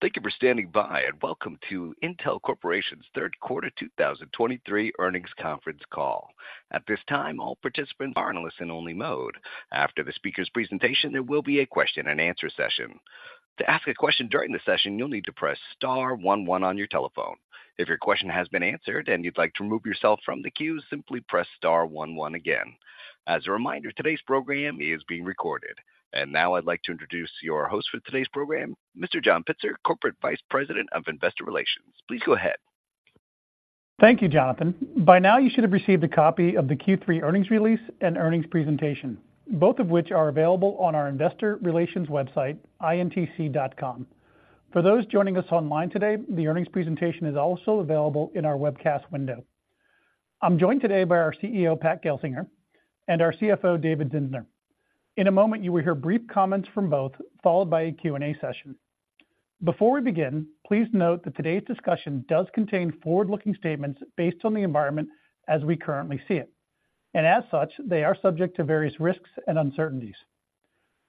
Thank you for standing by, and welcome to Intel Corporation's third quarter 2023 earnings conference call. At this time, all participants are in listen-only mode. After the speaker's presentation, there will be a question-and-answer session. To ask a question during the session, you'll need to press star one one on your telephone. If your question has been answered and you'd like to remove yourself from the queue, simply press star one one again. As a reminder, today's program is being recorded. Now I'd like to introduce your host for today's program, Mr. John Pitzer, Corporate Vice President of Investor Relations. Please go ahead. Thank you, Jonathan. By now, you should have received a copy of the Q3 earnings release and earnings presentation, both of which are available on our investor relations website, intc.com. For those joining us online today, the earnings presentation is also available in our webcast window. I'm joined today by our CEO, Pat Gelsinger, and our CFO, David Zinsner. In a moment, you will hear brief comments from both, followed by a Q&A session. Before we begin, please note that today's discussion does contain forward-looking statements based on the environment as we currently see it, and as such, they are subject to various risks and uncertainties.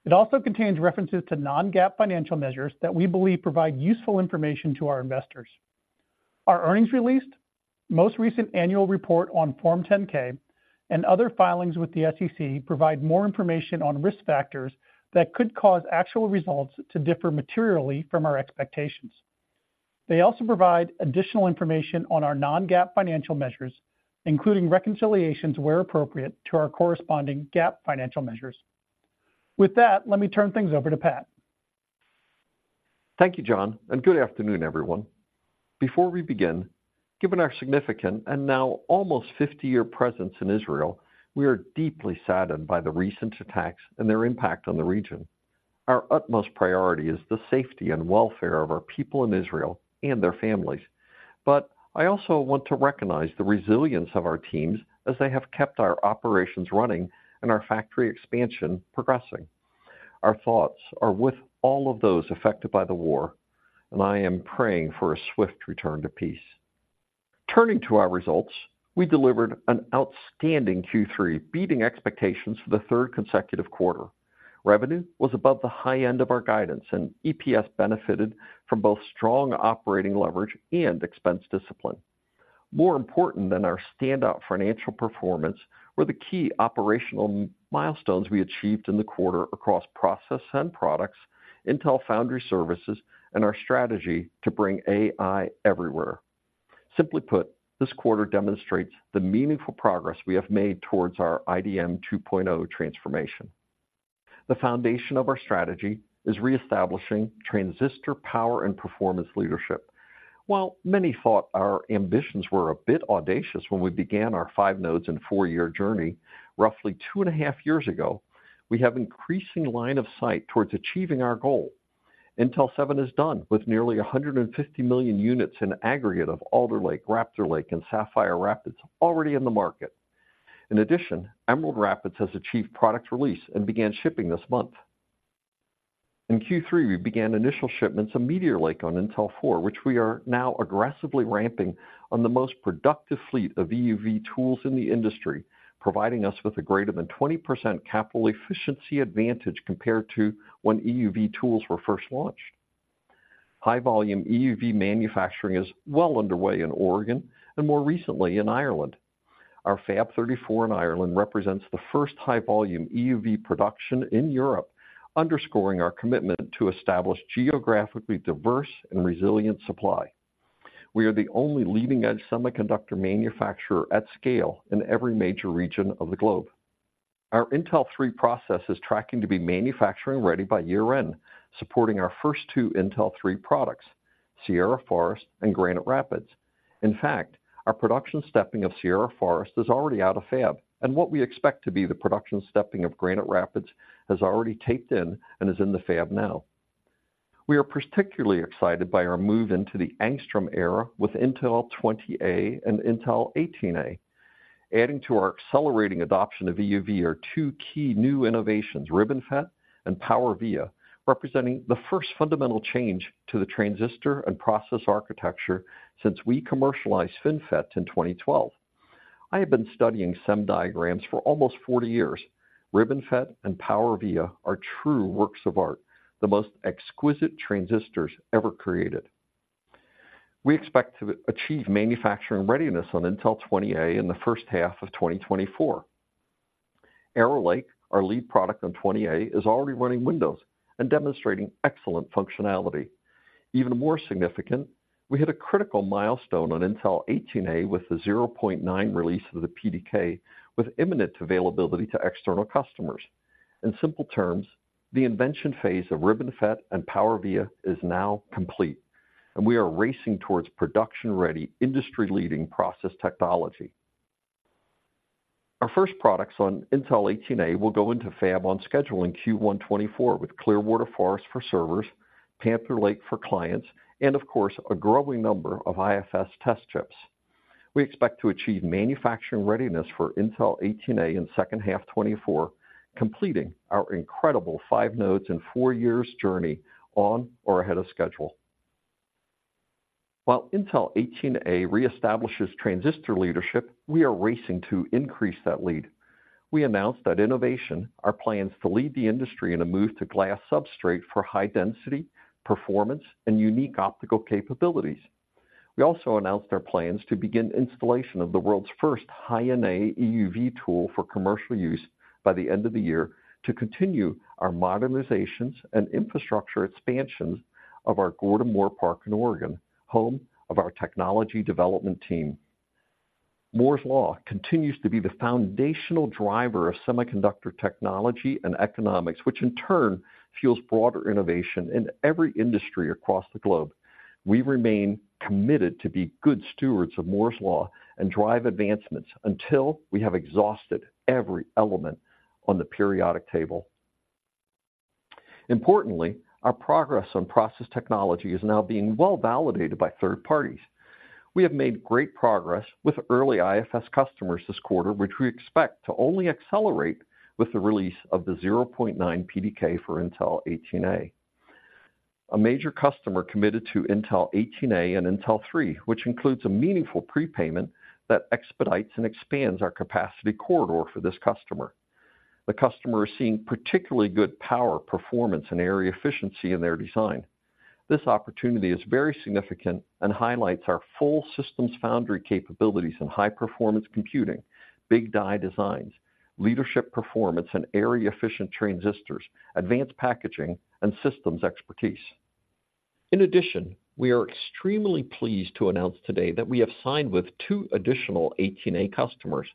It also contains references to non-GAAP financial measures that we believe provide useful information to our investors. Our earnings release, most recent annual report on Form 10-K, and other filings with the SEC provide more information on risk factors that could cause actual results to differ materially from our expectations. They also provide additional information on our non-GAAP financial measures, including reconciliations where appropriate, to our corresponding GAAP financial measures. With that, let me turn things over to Pat. Thank you, John, and good afternoon, everyone. Before we begin, given our significant and now almost 50-year presence in Israel, we are deeply saddened by the recent attacks and their impact on the region. Our utmost priority is the safety and welfare of our people in Israel and their families. But I also want to recognize the resilience of our teams as they have kept our operations running and our factory expansion progressing. Our thoughts are with all of those affected by the war, and I am praying for a swift return to peace. Turning to our results, we delivered an outstanding Q3, beating expectations for the third consecutive quarter. Revenue was above the high end of our guidance, and EPS benefited from both strong operating leverage and expense discipline. More important than our standout financial performance were the key operational milestones we achieved in the quarter across process and products, Intel Foundry Services, and our strategy to bring AI Everywhere. Simply put, this quarter demonstrates the meaningful progress we have made towards our IDM 2.0 transformation. The foundation of our strategy is reestablishing transistor power and performance leadership. While many thought our ambitions were a bit audacious when we began our five nodes and four-year journey roughly 2.5 years ago, we have increasing line of sight towards achieving our goal. Intel 7 is done with nearly 150 million units in aggregate of Alder Lake, Raptor Lake, and Sapphire Rapids already in the market. In addition, Emerald Rapids has achieved product release and began shipping this month. In Q3, we began initial shipments of Meteor Lake on Intel 4, which we are now aggressively ramping on the most productive fleet of EUV tools in the industry, providing us with a greater than 20% capital efficiency advantage compared to when EUV tools were first launched. High-volume EUV manufacturing is well underway in Oregon and more recently in Ireland. Our Fab 34 in Ireland represents the first high-volume EUV production in Europe, underscoring our commitment to establish geographically diverse and resilient supply. We are the only leading-edge semiconductor manufacturer at scale in every major region of the globe. Our Intel 3 process is tracking to be manufacturing ready by year-end, supporting our first two Intel 3 products, Sierra Forest and Granite Rapids. In fact, our production stepping of Sierra Forest is already out of fab, and what we expect to be the production stepping of Granite Rapids has already taped in and is in the fab now. We are particularly excited by our move into the Angstrom era with Intel 20A and Intel 18A. Adding to our accelerating adoption of EUV are two key new innovations, RibbonFET and PowerVia, representing the first fundamental change to the transistor and process architecture since we commercialized FinFET in 2012. I have been studying some diagrams for almost 40 years. RibbonFET and PowerVia are true works of art, the most exquisite transistors ever created. We expect to achieve manufacturing readiness on Intel 20A in the first half of 2024. Arrow Lake, our lead product on 20A, is already running Windows and demonstrating excellent functionality. Even more significant, we hit a critical milestone on Intel 18A with the 0.9 release of the PDK, with imminent availability to external customers. In simple terms, the invention phase of RibbonFET and PowerVia is now complete, and we are racing towards production-ready, industry-leading process technology. Our first products on Intel 18A will go into fab on schedule in Q1 2024, with Clearwater Forest for servers, Panther Lake for clients, and of course, a growing number of IFS test chips. We expect to achieve manufacturing readiness for Intel 18A in second half 2024, completing our incredible five nodes in four years journey on or ahead of schedule. While Intel 18A reestablishes transistor leadership, we are racing to increase that lead. We announced at Innovation, our plans to lead the industry in a move to glass substrate for high density, performance, and unique optical capabilities. We also announced our plans to begin installation of the world's first High-NA EUV tool for commercial use by the end of the year to continue our modernizations and infrastructure expansions of our Gordon Moore Park in Oregon, home of our technology development team. Moore's law continues to be the foundational driver of semiconductor technology and economics, which in turn fuels broader innovation in every industry across the globe. We remain committed to be good stewards of Moore's law and drive advancements until we have exhausted every element on the periodic table. Importantly, our progress on process technology is now being well-validated by third parties. We have made great progress with early IFS customers this quarter, which we expect to only accelerate with the release of the 0.9 PDK for Intel 18A. A major customer committed to Intel 18A and Intel 3, which includes a meaningful prepayment that expedites and expands our capacity corridor for this customer. The customer is seeing particularly good power, performance, and area efficiency in their design. This opportunity is very significant and highlights our full systems foundry capabilities in high-performance computing, big die designs, leadership performance, and area-efficient transistors, advanced packaging, and systems expertise. In addition, we are extremely pleased to announce today that we have signed with two additional 18A customers.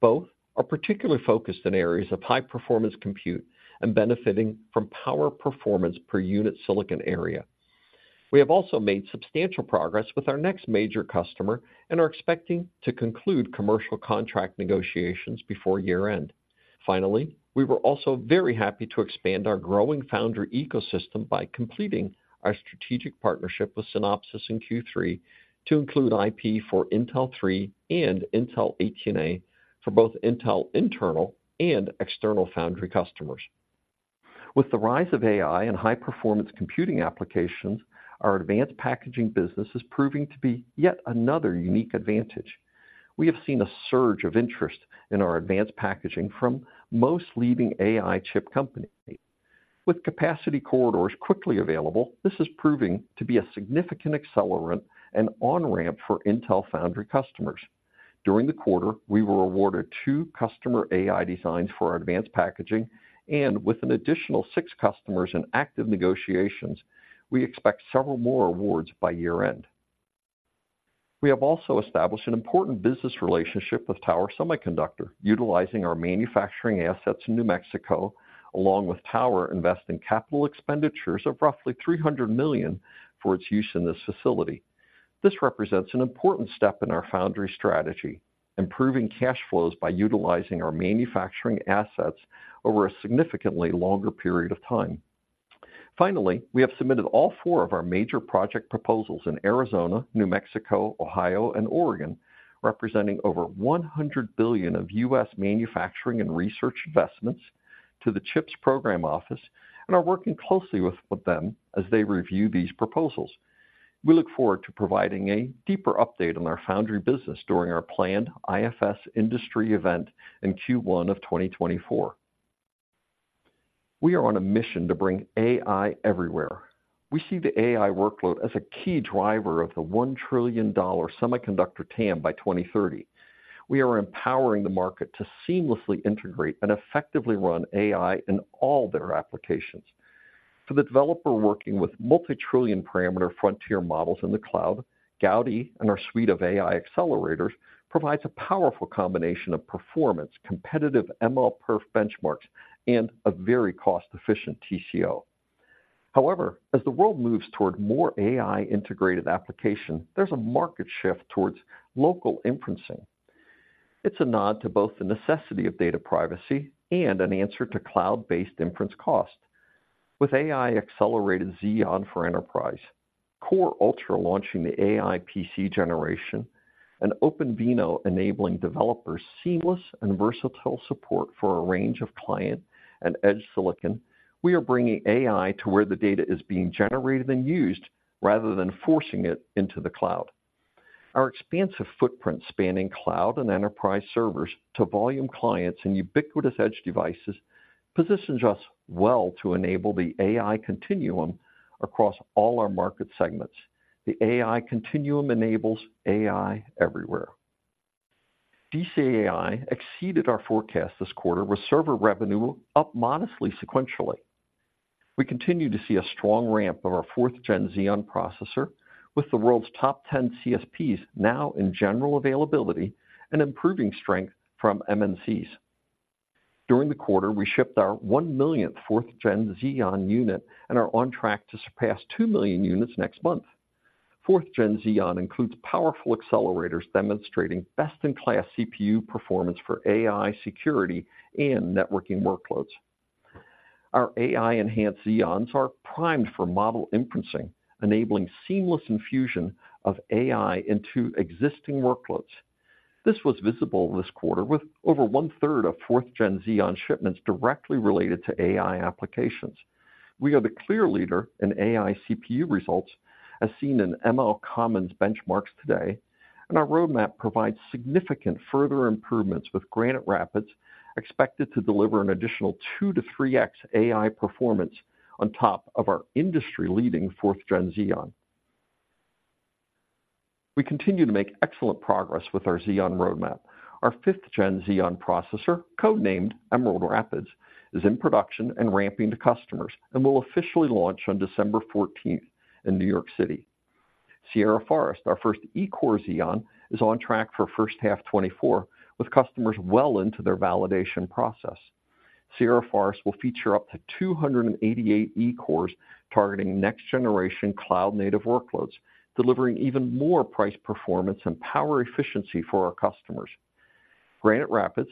Both are particularly focused in areas of high-performance compute and benefiting from power performance per unit silicon area. We have also made substantial progress with our next major customer and are expecting to conclude commercial contract negotiations before year-end. Finally, we were also very happy to expand our growing foundry ecosystem by completing our strategic partnership with Synopsys in Q3 to include IP for Intel 3 and Intel 18A for both Intel internal and external foundry customers. With the rise of AI and high-performance computing applications, our advanced packaging business is proving to be yet another unique advantage. We have seen a surge of interest in our advanced packaging from most leading AI-chip companies. With capacity corridors quickly available, this is proving to be a significant accelerant and on-ramp for Intel Foundry customers. During the quarter, we were awarded two customer AI designs for our advanced packaging, and with an additional six customers in active negotiations, we expect several more awards by year-end. We have also established an important business relationship with Tower Semiconductor, utilizing our manufacturing assets in New Mexico, along with Tower, investing capital expenditures of roughly $300 million for its use in this facility. This represents an important step in our Foundry strategy, improving cash flows by utilizing our manufacturing assets over a significantly longer period of time. Finally, we have submitted all four of our major project proposals in Arizona, New Mexico, Ohio, and Oregon, representing over $100 billion of U.S. manufacturing and research investments to the CHIPS Program Office and are working closely with them as they review these proposals. We look forward to providing a deeper update on our Foundry business during our planned IFS industry event in Q1 of 2024. We are on a mission to bring AI Everywhere. We see the AI workload as a key driver of the $1 trillion semiconductor TAM by 2030. We are empowering the market to seamlessly integrate and effectively run AI in all their applications. For the developer working with multi-trillion parameter frontier models in the cloud, Gaudi and our suite of AI accelerators provides a powerful combination of performance, competitive MLPerf benchmarks, and a very cost-efficient TCO. However, as the world moves toward more AI-integrated application, there's a market shift towards local inferencing. It's a nod to both the necessity of data privacy and an answer to cloud-based inference cost. With AI-accelerated Xeon for enterprise, Core Ultra launching the AI PC generation, and OpenVINO enabling developers seamless and versatile support for a range of client and edge silicon, we are bringing AI to where the data is being generated and used rather than forcing it into the cloud. Our expansive footprint, spanning cloud and enterprise servers to volume clients and ubiquitous edge devices, positions us well to enable the AI continuum across all our market segments. The AI continuum enables AI everywhere. DCAI exceeded our forecast this quarter, with server revenue up modestly sequentially. We continue to see a strong ramp of our 4th-gen Xeon processor, with the world's top 10 CSPs now in general availability and improving strength from MNCs. During the quarter, we shipped our 1,000,000th 4th-gen Xeon unit and are on track to surpass 2,000,000 units next month. 4th-gen Xeon includes powerful accelerators demonstrating best-in-class CPU performance for AI, security, and networking workloads. Our AI-enhanced Xeons are primed for model inferencing, enabling seamless infusion of AI into existing workloads. This was visible this quarter, with over one-third of 4th-gen Xeon shipments directly related to AI applications. We are the clear leader in AI CPU results, as seen in MLCommons benchmarks today, and our roadmap provides significant further improvements, with Granite Rapids expected to deliver an additional 2-3x AI performance on top of our industry-leading fourth-gen Xeon. We continue to make excellent progress with our Xeon roadmap. Our fifth-gen Xeon processor, codenamed Emerald Rapids, is in production and ramping to customers, and will officially launch on December fourteenth in New York City. Sierra Forest, our first E-core Xeon, is on track for first half 2024, with customers well into their validation process. Sierra Forest will feature up to 288 E-cores, targeting next-generation cloud-native workloads, delivering even more price, performance, and power efficiency for our customers. Granite Rapids,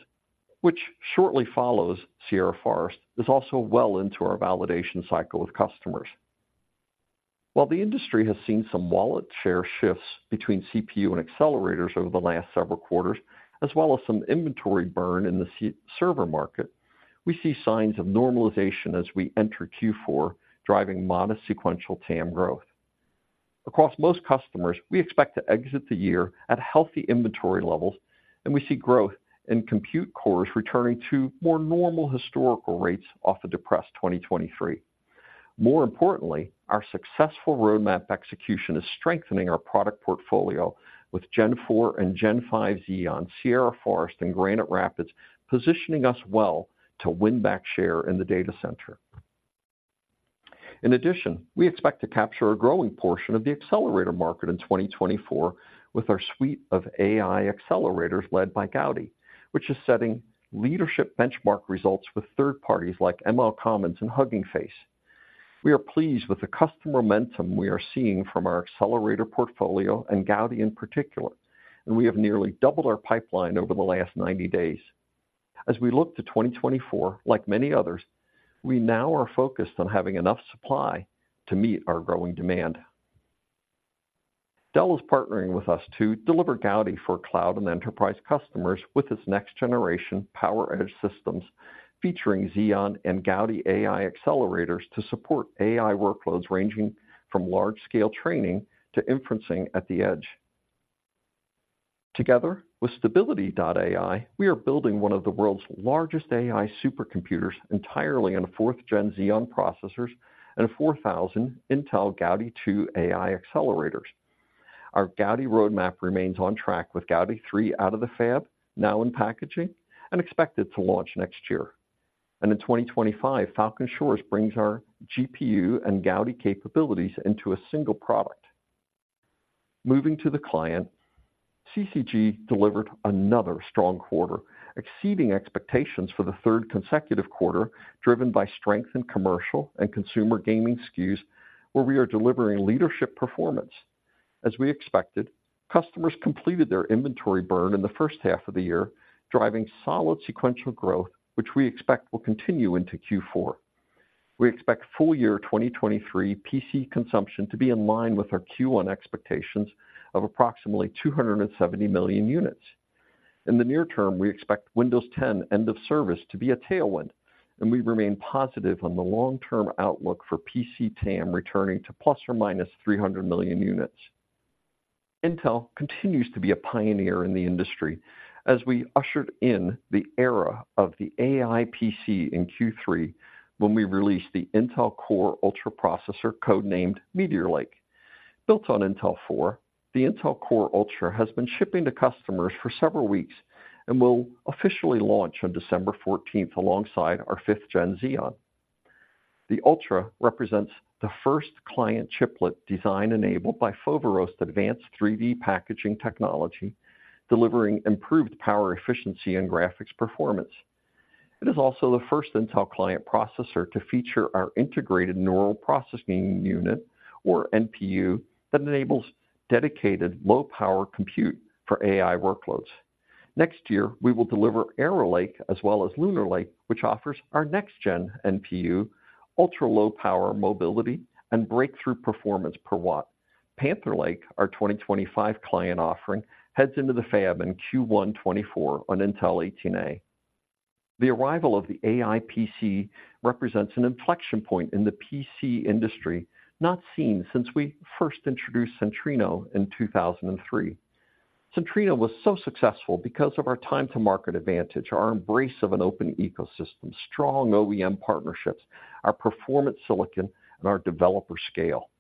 which shortly follows Sierra Forest, is also well into our validation cycle with customers. While the industry has seen some wallet share shifts between CPU and accelerators over the last several quarters, as well as some inventory burn in the server market, we see signs of normalization as we enter Q4, driving modest sequential TAM growth. Across most customers, we expect to exit the year at healthy inventory levels, and we see growth in compute cores returning to more normal historical rates off the depressed 2023. More importantly, our successful roadmap execution is strengthening our product portfolio with Gen 4 and Gen 5 Xeon, Sierra Forest and Granite Rapids, positioning us well to win back share in the data center. In addition, we expect to capture a growing portion of the accelerator market in 2024 with our suite of AI accelerators led by Gaudi, which is setting leadership benchmark results with third parties like MLCommons and Hugging Face. We are pleased with the customer momentum we are seeing from our accelerator portfolio and Gaudi in particular, and we have nearly doubled our pipeline over the last 90 days. As we look to 2024, like many others, we now are focused on having enough supply to meet our growing demand. Dell is partnering with us to deliver Gaudi for cloud and enterprise customers with its next-generation PowerEdge systems, featuring Xeon and Gaudi AI accelerators to support AI workloads ranging from large-scale training to inferencing at the edge. Together with Stability AI, we are building one of the world's largest AI supercomputers entirely on 4th-gen Xeon processors and 4,000 Intel Gaudi 2 AI accelerators. Our Gaudi roadmap remains on track, with Gaudi 3 out of the fab, now in packaging, and expected to launch next year. In 2025, Falcon Shores brings our GPU and Gaudi capabilities into a single product. Moving to the client, CCG delivered another strong quarter, exceeding expectations for the third consecutive quarter, driven by strength in commercial and consumer gaming SKUs, where we are delivering leadership performance. As we expected, customers completed their inventory burn in the first half of the year, driving solid sequential growth, which we expect will continue into Q4. We expect full year 2023 PC consumption to be in line with our Q1 expectations of approximately 270 million units. In the near term, we expect Windows 10 end of service to be a tailwind, and we remain positive on the long-term outlook for PC TAM returning to ±300 million units. Intel continues to be a pioneer in the industry as we ushered in the era of the AI PC in Q3 when we released the Intel Core Ultra processor, codenamed Meteor Lake. Built on Intel 4, the Intel Core Ultra has been shipping to customers for several weeks and will officially launch on December 14, alongside our 5th-gen Xeon. The Ultra represents the first client chiplet design enabled by Foveros advanced 3D packaging technology, delivering improved power efficiency and graphics performance. It is also the first Intel client processor to feature our integrated neural processing unit, or NPU, that enables dedicated low-power compute for AI workloads. Next year, we will deliver Arrow Lake as well as Lunar Lake, which offers our next-gen NPU, ultra-low power mobility, and breakthrough performance per watt. Panther Lake, our 2025 client offering, heads into the fab in Q1 2024 on Intel 18A. The arrival of the AI PC represents an inflection point in the PC industry not seen since we first introduced Centrino in 2003. Centrino was so successful because of our time to market advantage, our embrace of an open ecosystem, strong OEM partnerships, our performance silicon, and our developer scale.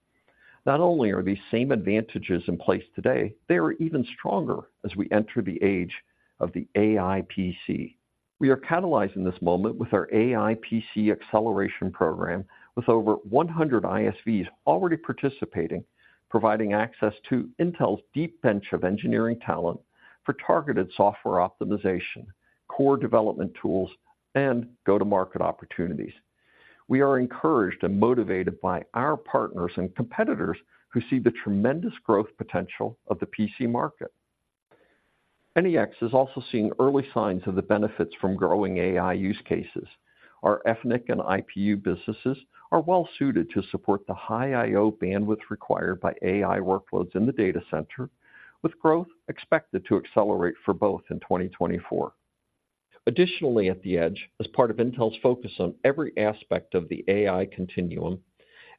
Not only are these same advantages in place today, they are even stronger as we enter the age of the AI PC. We are catalyzing this moment with our AI PC acceleration program, with over 100 ISVs already participating, providing access to Intel's deep bench of engineering talent for targeted software optimization, core development tools, and go-to-market opportunities. We are encouraged and motivated by our partners and competitors who see the tremendous growth potential of the PC market. NEX is also seeing early signs of the benefits from growing AI use cases. Our Ethernet and IPU businesses are well-suited to support the high I/O bandwidth required by AI workloads in the data center, with growth expected to accelerate for both in 2024. Additionally, at the Edge, as part of Intel's focus on every aspect of the AI continuum,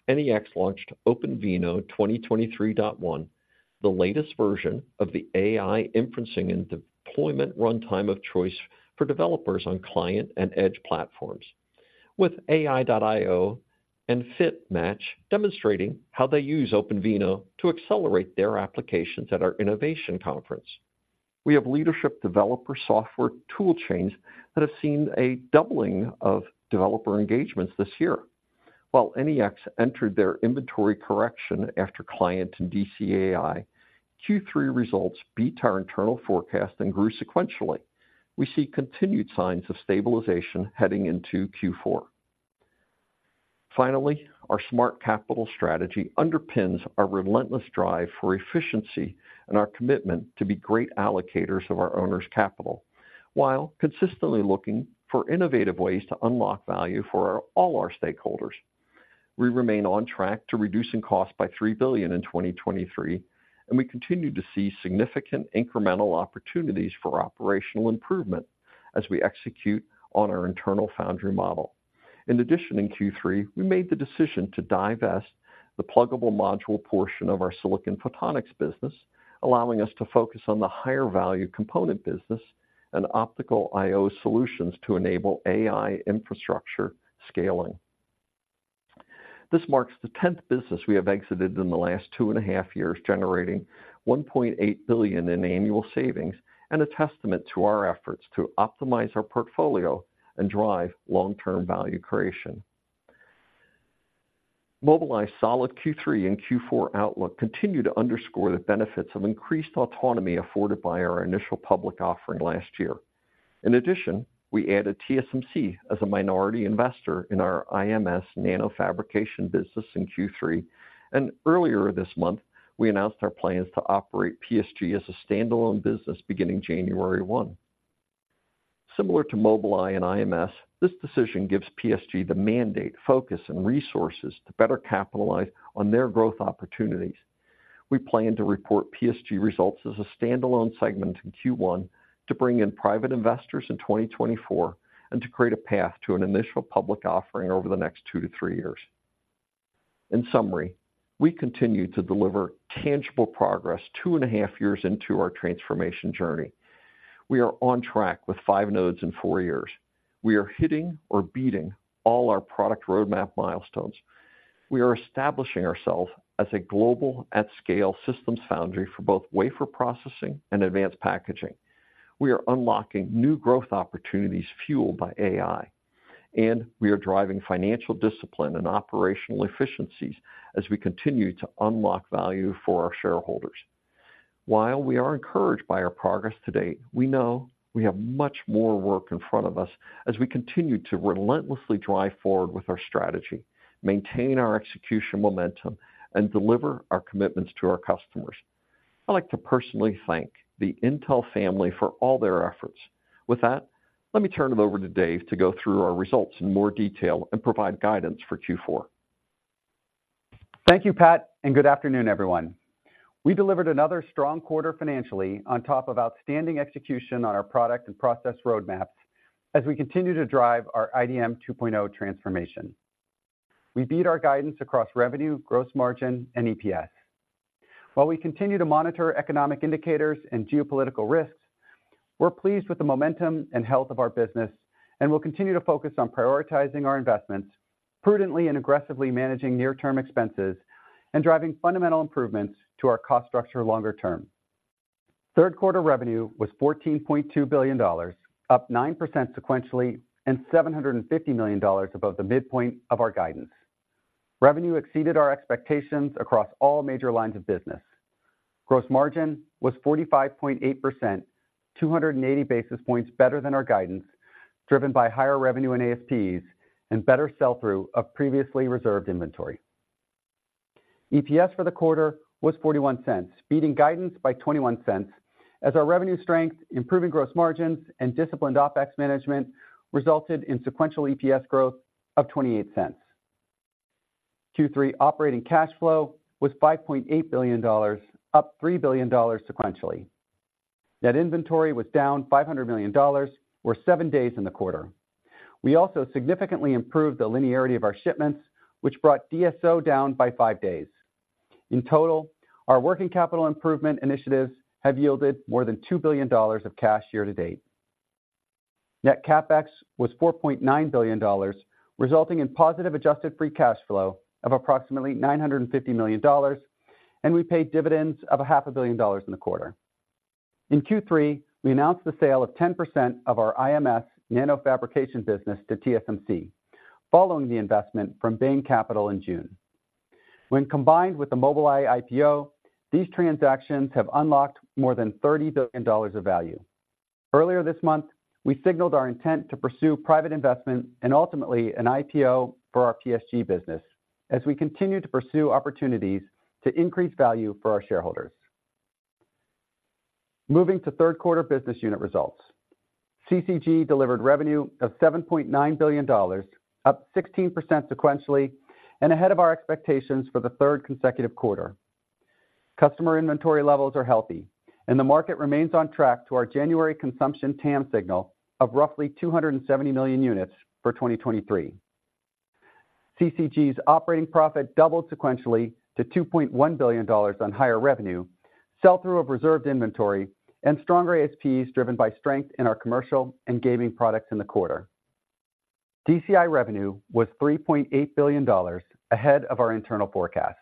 NEX launched OpenVINO 2023.1, the latest version of the AI inferencing and deployment runtime of choice for developers on client and edge platforms. With AI.io and Fit:match demonstrating how they use OpenVINO to accelerate their applications at our Innovation conference. We have leadership developer software tool chains that have seen a doubling of developer engagements this year. While NEX entered their inventory correction after client and DCAI, Q3 results beat our internal forecast and grew sequentially. We see continued signs of stabilization heading into Q4. Finally, our Smart Capital strategy underpins our relentless drive for efficiency and our commitment to be great allocators of our owners' capital, while consistently looking for innovative ways to unlock value for all our stakeholders. We remain on track to reducing costs by $3 billion in 2023, and we continue to see significant incremental opportunities for operational improvement as we execute on our internal Foundry model. In addition, in Q3, we made the decision to divest the pluggable module portion of our silicon photonics business, allowing us to focus on the higher value component business and optical IO solutions to enable AI infrastructure scaling. This marks the tenth business we have exited in the last two and a half years, generating $1.8 billion in annual savings and a testament to our efforts to optimize our portfolio and drive long-term value creation. Mobileye's solid Q3 and Q4 outlook continues to underscore the benefits of increased autonomy afforded by our initial public offering last year. In addition, we added TSMC as a minority investor in our IMS Nanofabrication business in Q3, and earlier this month, we announced our plans to operate PSG as a standalone business beginning January 1. Similar to Mobileye and IMS, this decision gives PSG the mandate, focus, and resources to better capitalize on their growth opportunities. We plan to report PSG results as a standalone segment in Q1 to bring in private investors in 2024, and to create a path to an initial public offering over the next two to three years. In summary, we continue to deliver tangible progress 2.5 years into our transformation journey. We are on track with five nodes in four years. We are hitting or beating all our product roadmap milestones. We are establishing ourselves as a global at-scale systems foundry for both wafer processing and advanced packaging. We are unlocking new growth opportunities fueled by AI, and we are driving financial discipline and operational efficiencies as we continue to unlock value for our shareholders. While we are encouraged by our progress to date, we know we have much more work in front of us as we continue to relentlessly drive forward with our strategy, maintain our execution momentum, and deliver our commitments to our customers. I'd like to personally thank the Intel family for all their efforts. With that, let me turn it over to Dave to go through our results in more detail and provide guidance for Q4. Thank you, Pat, and good afternoon, everyone. We delivered another strong quarter financially on top of outstanding execution on our product and process roadmaps as we continue to drive our IDM 2.0 transformation. We beat our guidance across revenue, gross margin, and EPS. While we continue to monitor economic indicators and geopolitical risks, we're pleased with the momentum and health of our business, and we'll continue to focus on prioritizing our investments prudently and aggressively managing near-term expenses and driving fundamental improvements to our cost structure longer term. Third quarter revenue was $14.2 billion, up 9% sequentially, and $750 million above the midpoint of our guidance. Revenue exceeded our expectations across all major lines of business. Gross margin was 45.8%, 280 basis points better than our guidance, driven by higher revenue and ASPs and better sell-through of previously reserved inventory. EPS for the quarter was $0.41, beating guidance by $0.21 as our revenue strength, improving gross margins, and disciplined OpEx management resulted in sequential EPS growth of $0.28. Q3 operating cash flow was $5.8 billion, up $3 billion sequentially. Net inventory was down $500 million or seven days in the quarter. We also significantly improved the linearity of our shipments, which brought DSO down by five days. In total, our working capital improvement initiatives have yielded more than $2 billion of cash year to date. Net CapEx was $4.9 billion, resulting in positive adjusted free cash flow of approximately $950 million, and we paid dividends of $500 million in the quarter. In Q3, we announced the sale of 10% of our IMS Nanofabrication business to TSMC, following the investment from Bain Capital in June. When combined with the Mobileye IPO, these transactions have unlocked more than $30 billion of value. Earlier this month, we signaled our intent to pursue private investment and ultimately an IPO for our PSG business as we continue to pursue opportunities to increase value for our shareholders.... Moving to third quarter business unit results. CCG delivered revenue of $7.9 billion, up 16% sequentially, and ahead of our expectations for the third consecutive quarter. Customer inventory levels are healthy, and the market remains on track to our January consumption TAM signal of roughly 270 million units for 2023. CCG's operating profit doubled sequentially to $2.1 billion on higher revenue, sell-through of reserved inventory, and stronger ASPs, driven by strength in our commercial and gaming products in the quarter. DCAI revenue was $3.8 billion, ahead of our internal forecast.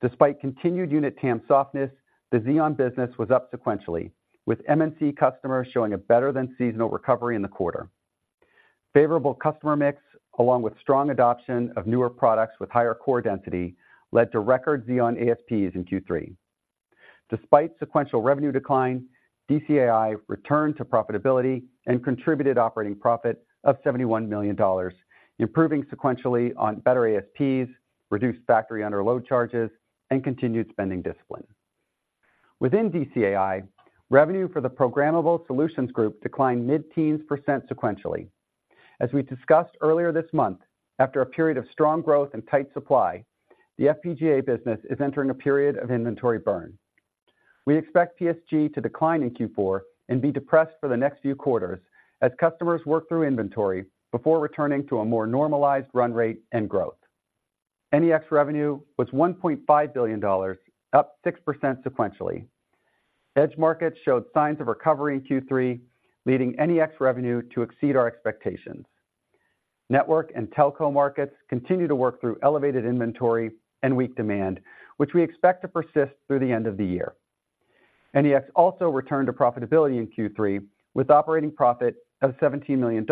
Despite continued unit TAM softness, the Xeon business was up sequentially, with MNC customers showing a better-than-seasonal recovery in the quarter. Favorable customer mix, along with strong adoption of newer products with higher core density, led to record Xeon ASPs in Q3. Despite sequential revenue decline, DCAI returned to profitability and contributed operating profit of $71 million, improving sequentially on better ASPs, reduced factory underload charges, and continued spending discipline. Within DCAI, revenue for the programmable solutions group declined mid-teens percent sequentially. As we discussed earlier this month, after a period of strong growth and tight supply, the FPGA business is entering a period of inventory burn. We expect PSG to decline in Q4 and be depressed for the next few quarters as customers work through inventory before returning to a more normalized run rate and growth. NEX revenue was $1.5 billion, up 6% sequentially. Edge markets showed signs of recovery in Q3, leading NEX revenue to exceed our expectations. Network and telco markets continue to work through elevated inventory and weak demand, which we expect to persist through the end of the year. NEX also returned to profitability in Q3, with operating profit of $17 million,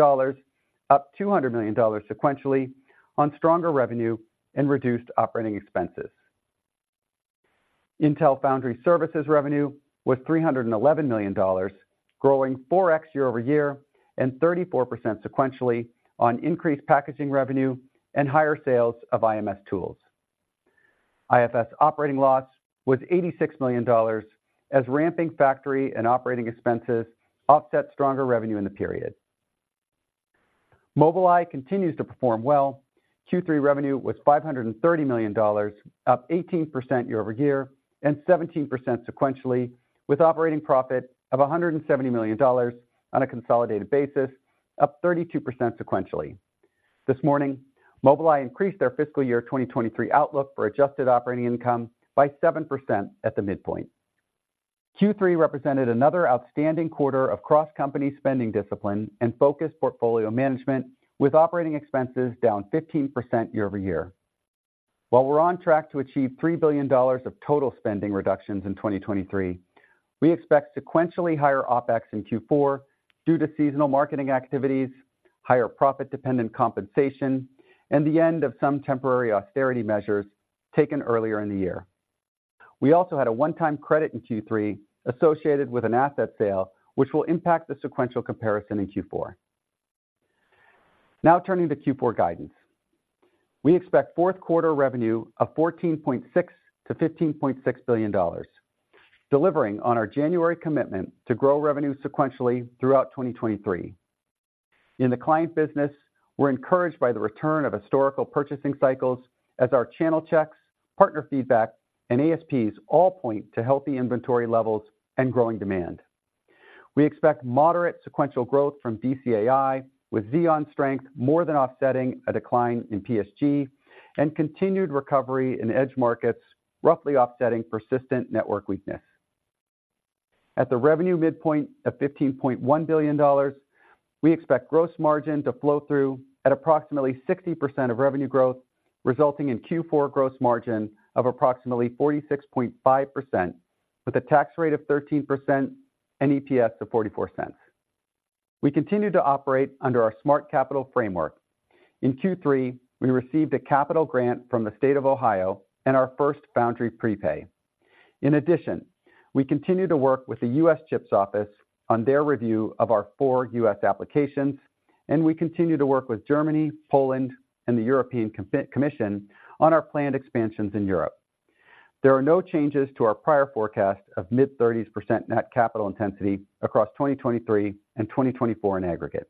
up $200 million sequentially on stronger revenue and reduced operating expenses. Intel Foundry Services revenue was $311 million, growing 4x year-over-year and 34% sequentially on increased packaging revenue and higher sales of IMS tools. IFS operating loss was $86 million, as ramping factory and operating expenses offset stronger revenue in the period. Mobileye continues to perform well. Q3 revenue was $530 million, up 18% year-over-year and 17% sequentially, with operating profit of $170 million on a consolidated basis, up 32% sequentially. This morning, Mobileye increased their fiscal year 2023 outlook for adjusted operating income by 7% at the midpoint. Q3 represented another outstanding quarter of cross-company spending discipline and focused portfolio management, with operating expenses down 15% year-over-year. While we're on track to achieve $3 billion of total spending reductions in 2023, we expect sequentially higher OpEx in Q4 due to seasonal marketing activities, higher profit-dependent compensation, and the end of some temporary austerity measures taken earlier in the year. We also had a one-time credit in Q3 associated with an asset sale, which will impact the sequential comparison in Q4. Now turning to Q4 guidance. We expect fourth quarter revenue of $14.6 billion-$15.6 billion, delivering on our January commitment to grow revenue sequentially throughout 2023. In the client business, we're encouraged by the return of historical purchasing cycles as our channel checks, partner feedback, and ASPs all point to healthy inventory levels and growing demand. We expect moderate sequential growth from DCAI, with Xeon strength more than offsetting a decline in PSG, and continued recovery in edge markets, roughly offsetting persistent network weakness. At the revenue midpoint of $15.1 billion, we expect gross margin to flow through at approximately 60% of revenue growth, resulting in Q4 gross margin of approximately 46.5%, with a tax rate of 13% and EPS of $0.44. We continue to operate under our Smart Capital framework. In Q3, we received a capital grant from the state of Ohio and our first foundry prepay. In addition, we continue to work with the U.S. CHIPS office on their review of our four U.S. applications, and we continue to work with Germany, Poland, and the European Commission on our planned expansions in Europe. There are no changes to our prior forecast of mid-30s% net capital intensity across 2023 and 2024 in aggregate.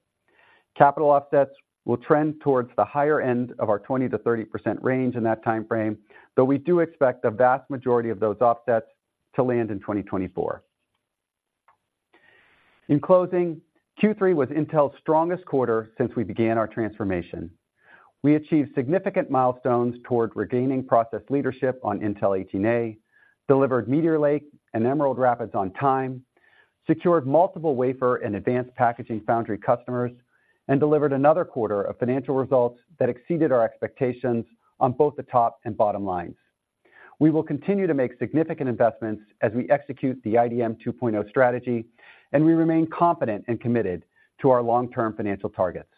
Capital offsets will trend towards the higher end of our 20%-30% range in that time frame, though we do expect the vast majority of those offsets to land in 2024. In closing, Q3 was Intel's strongest quarter since we began our transformation. We achieved significant milestones toward regaining process leadership on Intel 18A, delivered Meteor Lake and Emerald Rapids on time, secured multiple wafer and advanced packaging foundry customers, and delivered another quarter of financial results that exceeded our expectations on both the top and bottom lines. We will continue to make significant investments as we execute the IDM 2.0 strategy, and we remain confident and committed to our long-term financial targets.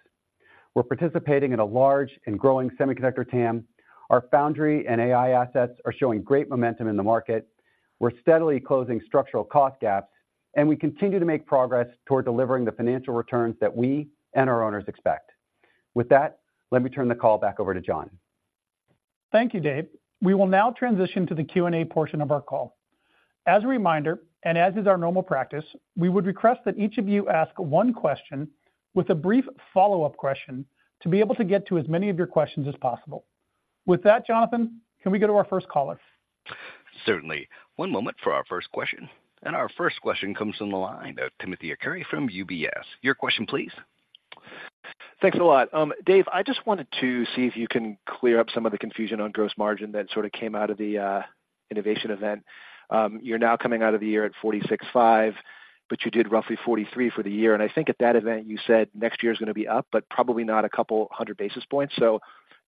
We're participating in a large and growing semiconductor TAM. Our Foundry and AI assets are showing great momentum in the market. We're steadily closing structural cost gaps, and we continue to make progress toward delivering the financial returns that we and our owners expect. With that, let me turn the call back over to John.... Thank you, Dave. We will now transition to the Q&A portion of our call. As a reminder, and as is our normal practice, we would request that each of you ask one question with a brief follow-up question, to be able to get to as many of your questions as possible. With that, Jonathan, can we go to our first caller? Certainly. One moment for our first question. Our first question comes from the line of Timothy Arcuri from UBS. Your question, please. Thanks a lot. Dave, I just wanted to see if you can clear up some of the confusion on gross margin that sort of came out of the Innovation event. You're now coming out of the year at 46.5%, but you did roughly 43% for the year. I think at that event, you said next year is going to be up, but probably not a couple hundred basis points.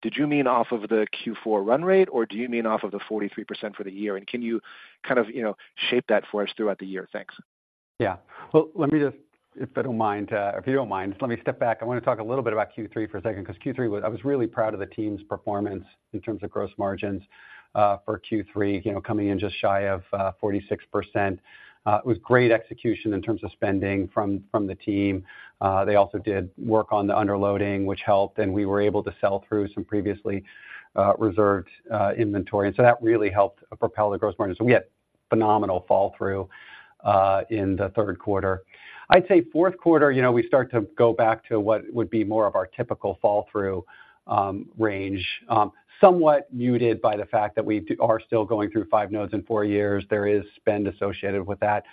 Did you mean off of the Q4 run rate, or do you mean off of the 43% for the year? Can you kind of, you know, shape that for us throughout the year? Thanks. Yeah. Well, let me just—if I don't mind, if you don't mind, let me step back. I want to talk a little bit about Q3 for a second, because Q3, I was really proud of the team's performance in terms of gross margins, for Q3, you know, coming in just shy of 46%. It was great execution in terms of spending from the team. They also did work on the underloading, which helped, and we were able to sell through some previously reserved inventory. And so that really helped propel the gross margin. So we had phenomenal fall-through in the third quarter. I'd say fourth quarter, you know, we start to go back to what would be more of our typical fall-through range, somewhat muted by the fact that we are still going through five nodes in four years. There is spend associated with that,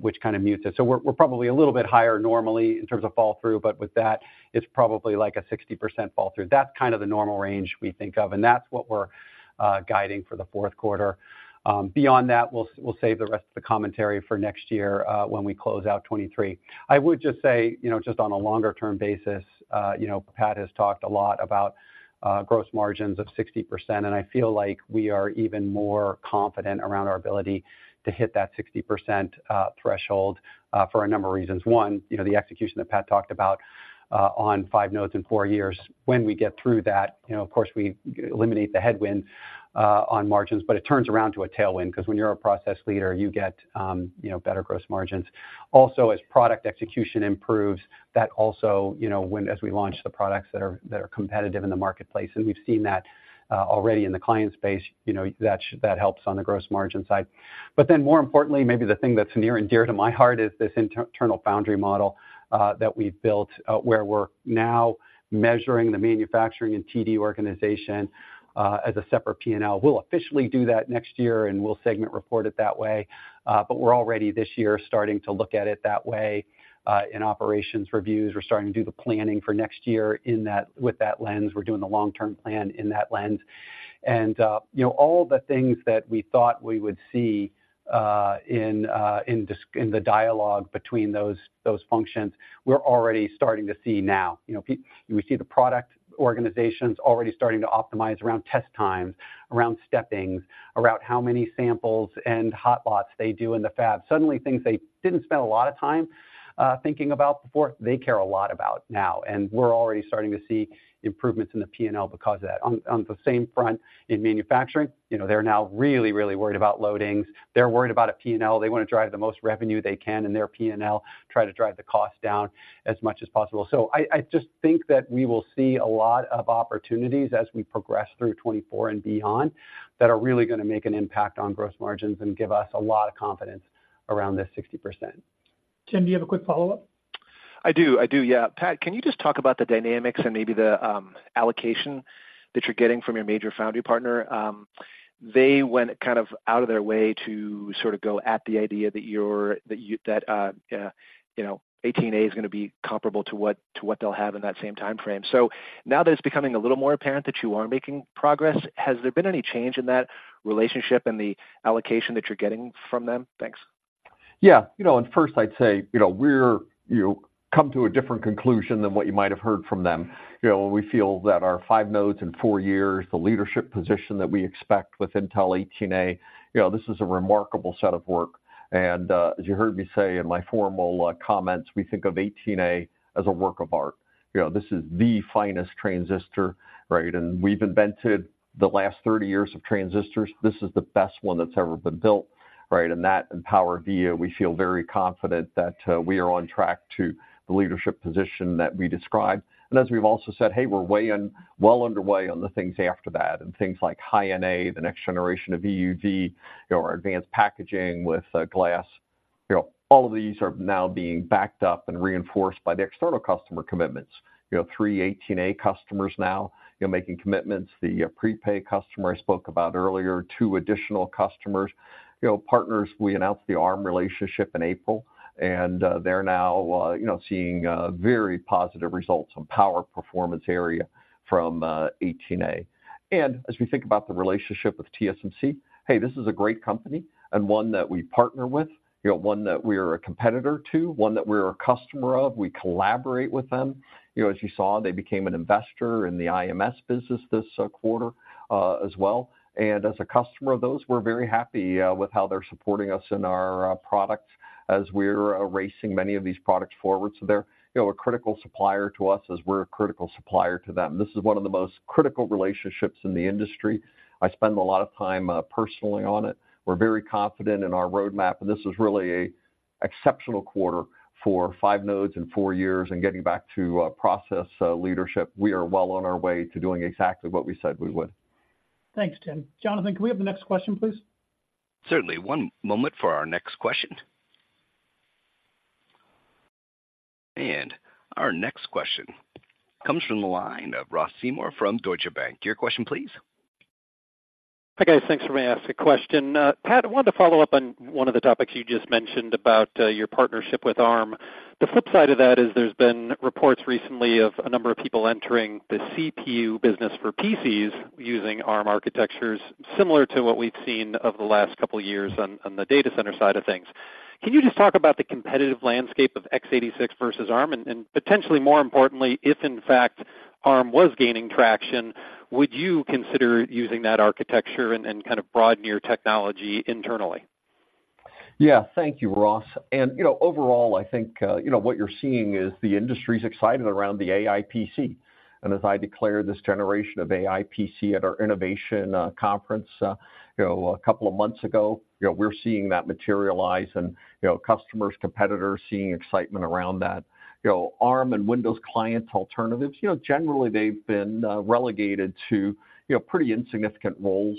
which kind of mutes it. So we're probably a little bit higher normally in terms of fall-through, but with that, it's probably like a 60% fallthrough. That's kind of the normal range we think of, and that's what we're guiding for the fourth quarter. Beyond that, we'll save the rest of the commentary for next year, when we close out 2023. I would just say, you know, just on a longer-term basis, you know, Pat has talked a lot about gross margins of 60%, and I feel like we are even more confident around our ability to hit that 60% threshold for a number of reasons. One, you know, the execution that Pat talked about on five nodes in four years. When we get through that, you know, of course, we eliminate the headwind on margins, but it turns around to a tailwind because when you're a process leader, you get, you know, better gross margins. Also, as product execution improves, that also, you know, when—as we launch the products that are, that are competitive in the marketplace, and we've seen that already in the client space, you know, that helps on the gross margin side. But then, more importantly, maybe the thing that's near and dear to my heart is this internal Foundry model that we've built, where we're now measuring the manufacturing and TD organization as a separate P&L. We'll officially do that next year, and we'll segment report it that way, but we're already, this year, starting to look at it that way in operations reviews. We're starting to do the planning for next year with that lens. We're doing the long-term plan in that lens. And, you know, all the things that we thought we would see in the dialogue between those functions, we're already starting to see now. You know, we see the product organizations already starting to optimize around test times, around steppings, around how many samples and hot lots they do in the fab. Suddenly, things they didn't spend a lot of time thinking about before, they care a lot about now, and we're already starting to see improvements in the P&L because of that. On the same front, in manufacturing, you know, they're now really, really worried about loadings. They're worried about a P&L. They want to drive the most revenue they can in their P&L, try to drive the cost down as much as possible. So I just think that we will see a lot of opportunities as we progress through 2024 and beyond, that are really going to make an impact on gross margins and give us a lot of confidence around this 60%. Tim, do you have a quick follow-up? I do. I do, yeah. Pat, can you just talk about the dynamics and maybe the allocation that you're getting from your major foundry partner? They went kind of out of their way to sort of go at the idea that you're, that you, that, you know, 18A is going to be comparable to what, to what they'll have in that same time frame. So now that it's becoming a little more apparent that you are making progress, has there been any change in that relationship and the allocation that you're getting from them? Thanks. Yeah. You know, and first I'd say, you know, we're, you know, come to a different conclusion than what you might have heard from them. You know, we feel that our 5 nodes in 4 years, the leadership position that we expect with Intel 18A, you know, this is a remarkable set of work, and, as you heard me say in my formal comments, we think of 18A as a work of art. You know, this is the finest transistor, right? And we've invented the last 30 years of transistors. This is the best one that's ever been built, right? And that in PowerVia, we feel very confident that, we are on track to the leadership position that we described. And as we've also said, hey, we're way in, well underway on the things after that, and things like High-NA, the next generation of EUV, you know, our advanced packaging with glass. You know, all of these are now being backed up and reinforced by the external customer commitments. You know, three 18A customers now, you know, making commitments, the prepay customer I spoke about earlier, two additional customers. You know, partners, we announced the Arm relationship in April, and they're now, you know, seeing very positive results in power performance area from 18A. And as we think about the relationship with TSMC, hey, this is a great company and one that we partner with, you know, one that we are a competitor to, one that we're a customer of. We collaborate with them. You know, as you saw, they became an investor in the IMS business this quarter, as well. And as a customer of those, we're very happy with how they're supporting us in our products as we're racing many of these products forward. So they're, you know, a critical supplier to us as we're a critical supplier to them. This is one of the most critical relationships in the industry. I spend a lot of time personally on it. We're very confident in our roadmap, and this is really a-... exceptional quarter for 5 nodes in 4 years and getting back to process leadership. We are well on our way to doing exactly what we said we would. Thanks, Tim. Jonathan, can we have the next question, please? Certainly. One moment for our next question. Our next question comes from the line of Ross Seymore from Deutsche Bank. Your question please. Hi, guys. Thanks for letting me ask a question. Pat, I wanted to follow up on one of the topics you just mentioned about your partnership with Arm. The flip side of that is there's been reports recently of a number of people entering the CPU business for PCs using Arm architectures, similar to what we've seen over the last couple of years on the data center side of things. Can you just talk about the competitive landscape of x86 versus Arm? And, potentially more importantly, if in fact, Arm was gaining traction, would you consider using that architecture and kind of broaden your technology internally? Yeah. Thank you, Ross. You know, overall, I think, you know, what you're seeing is the industry's excited around the AI PC. As I declared this generation of AI PC at our Innovation conference, you know, a couple of months ago, we're seeing that materialize and, you know, customers, competitors, seeing excitement around that. You know, Arm and Windows client alternatives, you know, generally they've been relegated to, you know, pretty insignificant roles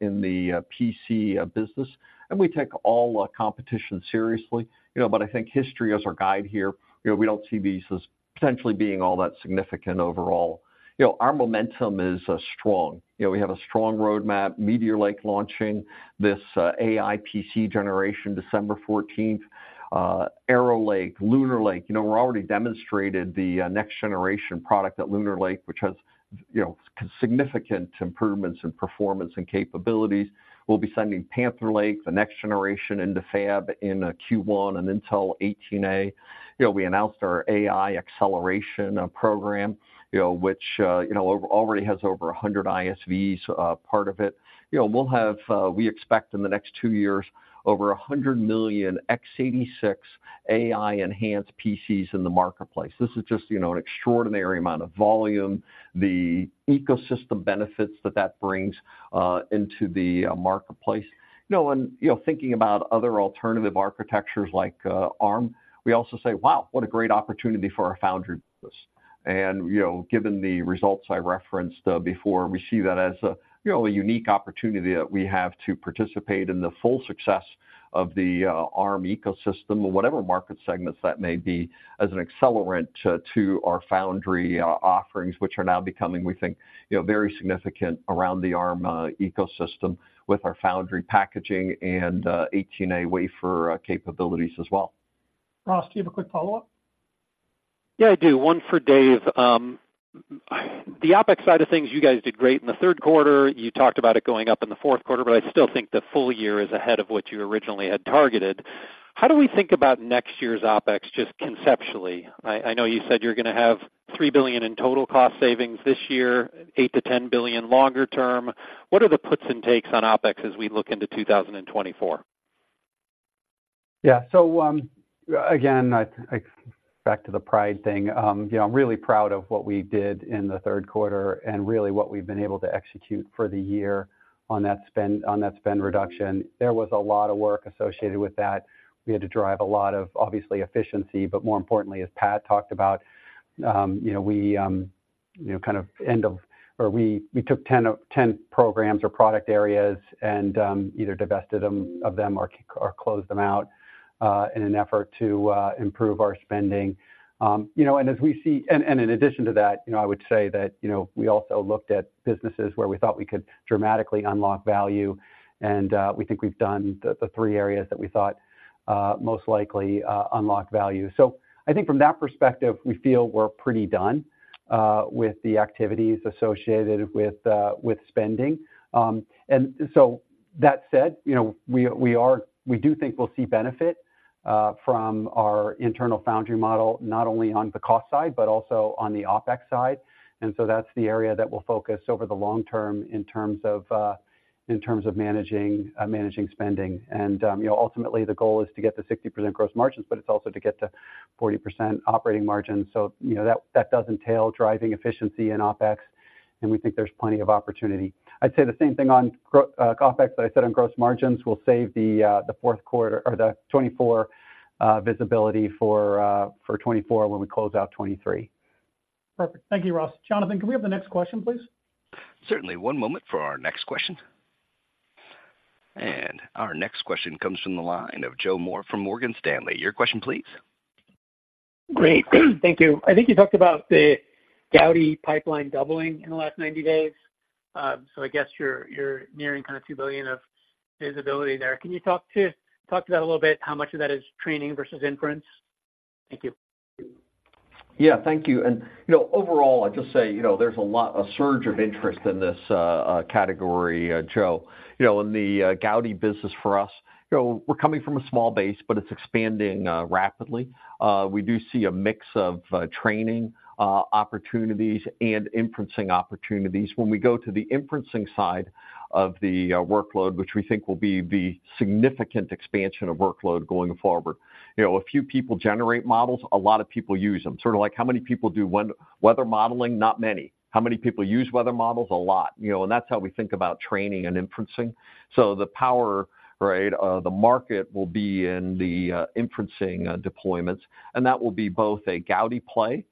in the PC business, and we take all the competition seriously, you know, but I think history is our guide here. You know, we don't see these as potentially being all that significant overall. You know, our momentum is strong. You know, we have a strong roadmap, Meteor Lake launching this AI PC generation, December fourteenth. Arrow Lake, Lunar Lake, you know, we're already demonstrated the next generation product at Lunar Lake, which has, you know, significant improvements in performance and capabilities. We'll be sending Panther Lake, the next generation, into fab in Q1 and Intel 18A. You know, we announced our AI acceleration program, you know, which already has over 100 ISVs part of it. You know, we'll have, we expect in the next two years, over 100 million x86 AI-enhanced PCs in the marketplace. This is just, you know, an extraordinary amount of volume, the ecosystem benefits that that brings into the marketplace. You know, and, you know, thinking about other alternative architectures like, Arm, we also say, "Wow, what a great opportunity for our Foundry business." And, you know, given the results I referenced, before, we see that as a, you know, a unique opportunity that we have to participate in the full success of the, Arm ecosystem or whatever market segments that may be, as an accelerant to, to our foundry, offerings, which are now becoming, we think, you know, very significant around the Arm, ecosystem with our foundry packaging and, 18A wafer, capabilities as well. Ross, do you have a quick follow-up? Yeah, I do. One for Dave. The OpEx side of things, you guys did great in the third quarter. You talked about it going up in the fourth quarter, but I still think the full year is ahead of what you originally had targeted. How do we think about next year's OpEx, just conceptually? I know you said you're gonna have $3 billion in total cost savings this year, $8 billion-$10 billion longer term. What are the puts and takes on OpEx as we look into 2024? Yeah. I, I back to the pride thing, you know, I'm really proud of what we did in the third quarter and really what we've been able to execute for the year on that spend, on that spend reduction. There was a lot of work associated with that. We had to drive a lot of, obviously, efficiency, but more importantly, as Pat talked about, you know, we, you know, kind of end of-- or we, we took 10 of, 10 programs or product areas and, you know, either divested them, of them or, or closed them out, in an effort to improve our spending. You know, and as we see... In addition to that, you know, I would say that, you know, we also looked at businesses where we thought we could dramatically unlock value, and we think we've done the three areas that we thought most likely unlock value. I think from that perspective, we feel we're pretty done with the activities associated with spending. That said, you know, we do think we'll see benefit from our internal Foundry model, not only on the cost side, but also on the OpEx side. That's the area that we'll focus over the long term in terms of managing spending. You know, ultimately, the goal is to get to 60% gross margins, but it's also to get to 40% operating margins. You know, that does entail driving efficiency and OpEx, and we think there's plenty of opportunity. I'd say the same thing on OpEx that I said on gross margins. We'll save the fourth quarter or the 2024 visibility for 2024 when we close out 2023. Perfect. Thank you, Ross. Jonathan, can we have the next question, please? Certainly. One moment for our next question. Our next question comes from the line of Joe Moore from Morgan Stanley. Your question, please. Great, thank you. I think you talked about the Gaudi pipeline doubling in the last 90 days. I guess you're nearing kind of $2 billion of visibility there. Can you talk to that a little bit? How much of that is training versus inference? Thank you. Yeah, thank you. You know, overall, I'd just say, you know, there's a lot, a surge of interest in this category, Joe.... you know, in the Gaudi business for us, you know, we're coming from a small base, but it's expanding rapidly. We do see a mix of training opportunities and inferencing opportunities. When we go to the inferencing side of the workload, which we think will be the significant expansion of workload going forward, you know, a few people generate models, a lot of people use them. Sort of like, how many people do weather modeling? Not many. How many people use weather models? A lot. You know, and that's how we think about training and inferencing. So the power, right, the market will be in the inferencing deployments, and that will be both a Gaudi play,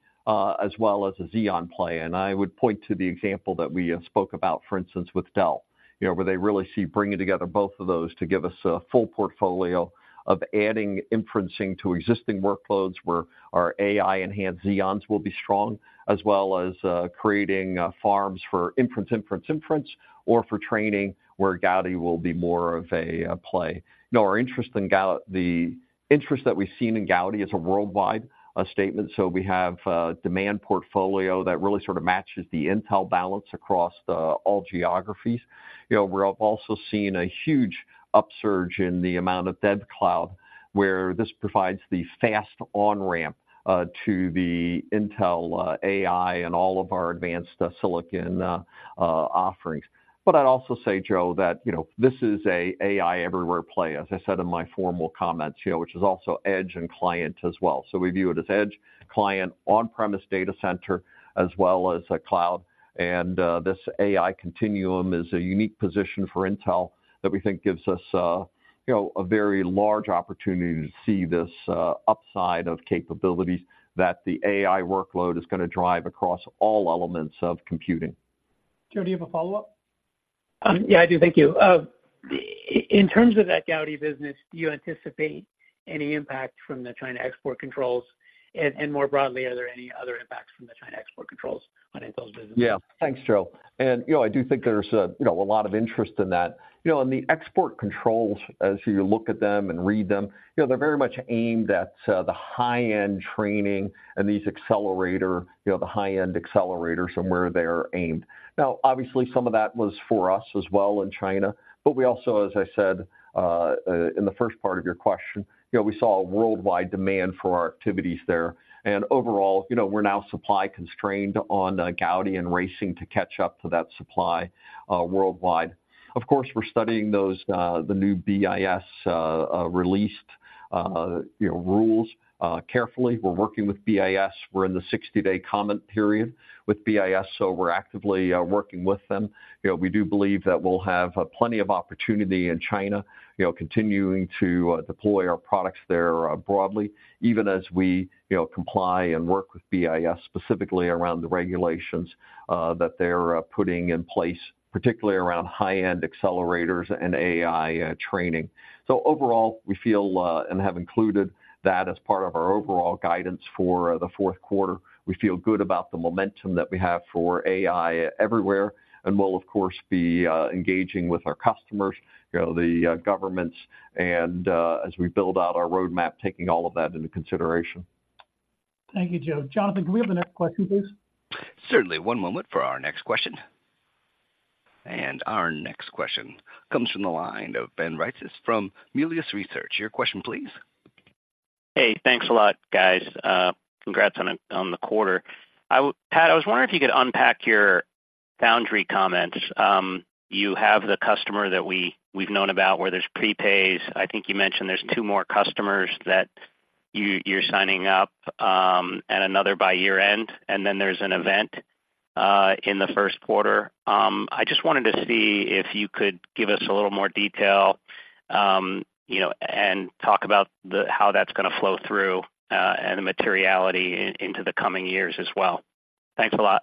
as well as a Xeon play. I would point to the example that we spoke about, for instance, with Dell, you know, where they really see bringing together both of those to give us a full portfolio of adding inferencing to existing workloads, where our AI-enhanced Xeons will be strong, as well as creating farms for inference or for training, where Gaudi will be more of a play. You know, the interest that we've seen in Gaudi is a worldwide statement, so we have a demand portfolio that really sort of matches the Intel balance across all geographies. You know, we're also seeing a huge upsurge in the amount of DevCloud, where this provides the fast on-ramp to the Intel AI and all of our advanced silicon offerings. I'd also say, Joe, that, you know, this is an AI Everywhere play, as I said in my formal comments, you know, which is also Edge and Client as well. We view it as Edge, Client, on-premise data center, as well as, Cloud. This AI continuum is a unique position for Intel that we think gives us, you know, a very large opportunity to see this, upside of capabilities that the AI workload is going to drive across all elements of computing. Joe, do you have a follow-up? Yeah, I do. Thank you. In terms of that Gaudi business, do you anticipate any impact from the China export controls? And more broadly, are there any other impacts from the China export controls on Intel's business? Yeah. Thanks, Joe. You know, I do think there's a lot of interest in that. You know, the export controls, as you look at them and read them, they're very much aimed at the high-end training and these accelerator, you know, the high-end accelerators and where they're aimed. Now, obviously, some of that was for us as well in China, but we also, as I said, in the first part of your question, you know, we saw a worldwide demand for our activities there. And overall, you know, we're now supply constrained on Gaudi and racing to catch up to that supply worldwide. Of course, we're studying those, the new BIS released rules, you know, carefully. We're working with BIS. We're in the 60-day comment period with BIS, so we're actively working with them. You know, we do believe that we'll have plenty of opportunity in China, you know, continuing to deploy our products there broadly, even as we, you know, comply and work with BIS, specifically around the regulations that they're putting in place, particularly around high-end accelerators and AI training. So overall, we feel and have included that as part of our overall guidance for the fourth quarter. We feel good about the momentum that we have for AI Everywhere, and we'll of course be engaging with our customers, you know, the governments, and as we build out our roadmap, taking all of that into consideration. Thank you, Joe. Jonathan, can we have the next question, please? Certainly. One moment for our next question. Our next question comes from the line of Ben Reitzes from Melius Research. Your question, please. Hey, thanks a lot, guys. Congrats on the quarter. Pat, I was wondering if you could unpack your foundry comments. You have the customer that we've known about, where there's prepays. I think you mentioned there's 2 more customers that you're signing up, and another by year-end, and then there's an event in the first quarter. I just wanted to see if you could give us a little more detail, you know, and talk about the how that's going to flow through, and the materiality into the coming years as well. Thanks a lot.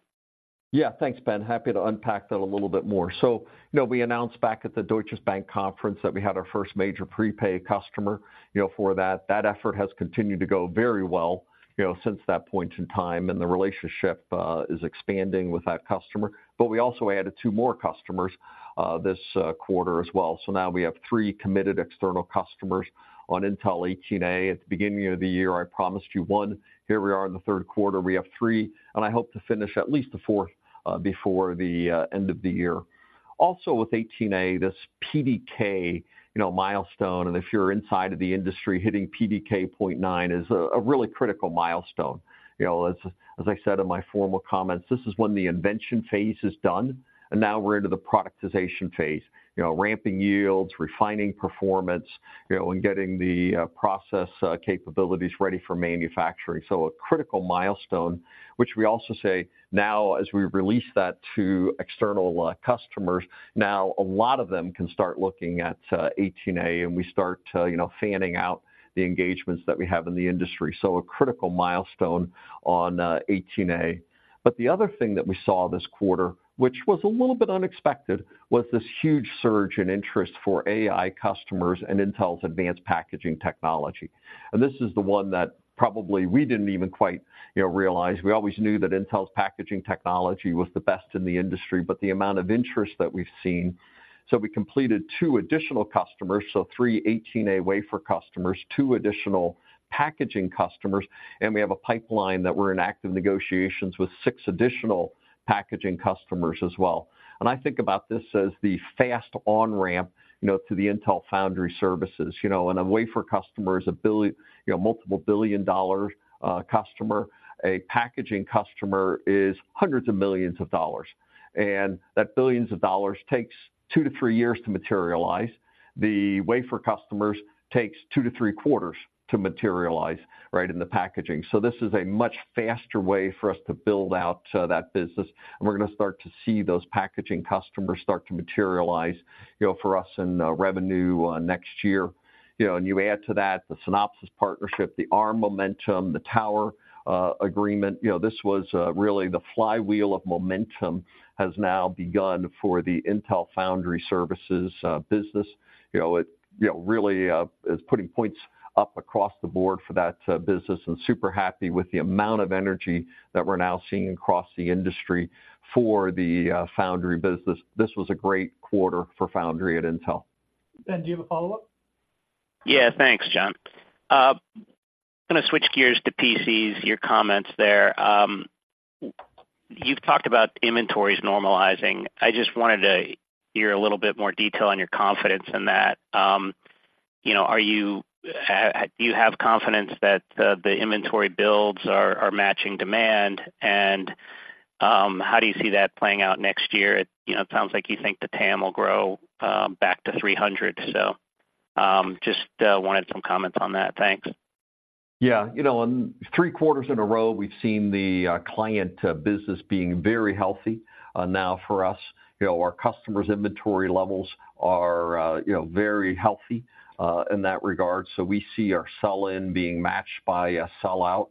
Yeah. Thanks, Ben. Happy to unpack that a little bit more. So, you know, we announced back at the Deutsche Bank conference that we had our first major prepay customer, you know, for that. That effort has continued to go very well, you know, since that point in time, and the relationship is expanding with that customer. But we also added two more customers, this quarter as well. So now we have three committed external customers on Intel 18A. At the beginning of the year, I promised you one. Here we are in the third quarter, we have three, and I hope to finish at least a fourth before the end of the year. Also, with 18A, this PDK, you know, milestone, and if you're inside of the industry, hitting PDK 0.9 is a really critical milestone. You know, as I said in my formal comments, this is when the invention phase is done, and now we're into the productization phase. You know, ramping yields, refining performance, you know, and getting the process capabilities ready for manufacturing. So a critical milestone, which we also say now as we release that to external customers, now a lot of them can start looking at 18A, and we start you know, fanning out the engagements that we have in the industry. So a critical milestone on 18A. But the other thing that we saw this quarter, which was a little bit unexpected, was this huge surge in interest for AI customers and Intel's advanced packaging technology. And this is the one that probably we didn't even quite, you know, realize. We always knew that Intel's packaging technology was the best in the industry, but the amount of interest that we've seen... We completed two additional customers, so three 18A wafer customers, two additional packaging customers, and we have a pipeline that we're in active negotiations with six additional-... packaging customers as well. I think about this as the fast on-ramp, you know, to the Intel Foundry Services. You know, and a wafer customer is a $1 billion, you know, multiple billion-dollar customer. A packaging customer is hundreds of millions of dollars, and that billions of dollars takes two to three years to materialize. The wafer customers takes two to three quarters to materialize, right, in the packaging. This is a much faster way for us to build out, that business, and we're going to start to see those packaging customers start to materialize, you know, for us in, revenue, next year. You know, and you add to that the Synopsys partnership, the Arm momentum, the Tower, agreement. You know, this was, really the flywheel of momentum has now begun for the Intel Foundry Services, business. You know, it, you know, really, is putting points up across the board for that, business and super happy with the amount of energy that we're now seeing across the industry for the, Foundry business. This was a great quarter for foundry at Intel. Ben, do you have a follow-up? Yeah, thanks, John. I'm going to switch gears to PCs, your comments there. You've talked about inventories normalizing. I just wanted to hear a little bit more detail on your confidence in that. You know, are you, do you have confidence that the inventory builds are matching demand? You know, how do you see that playing out next year? It sounds like you think the TAM will grow back to 300. Just wanted some comments on that. Thanks. Yeah. You know, in three quarters in a row, we've seen the client business being very healthy, now for us. You know, our customers' inventory levels are, you know, very healthy in that regard. We see our sell-in being matched by a sellout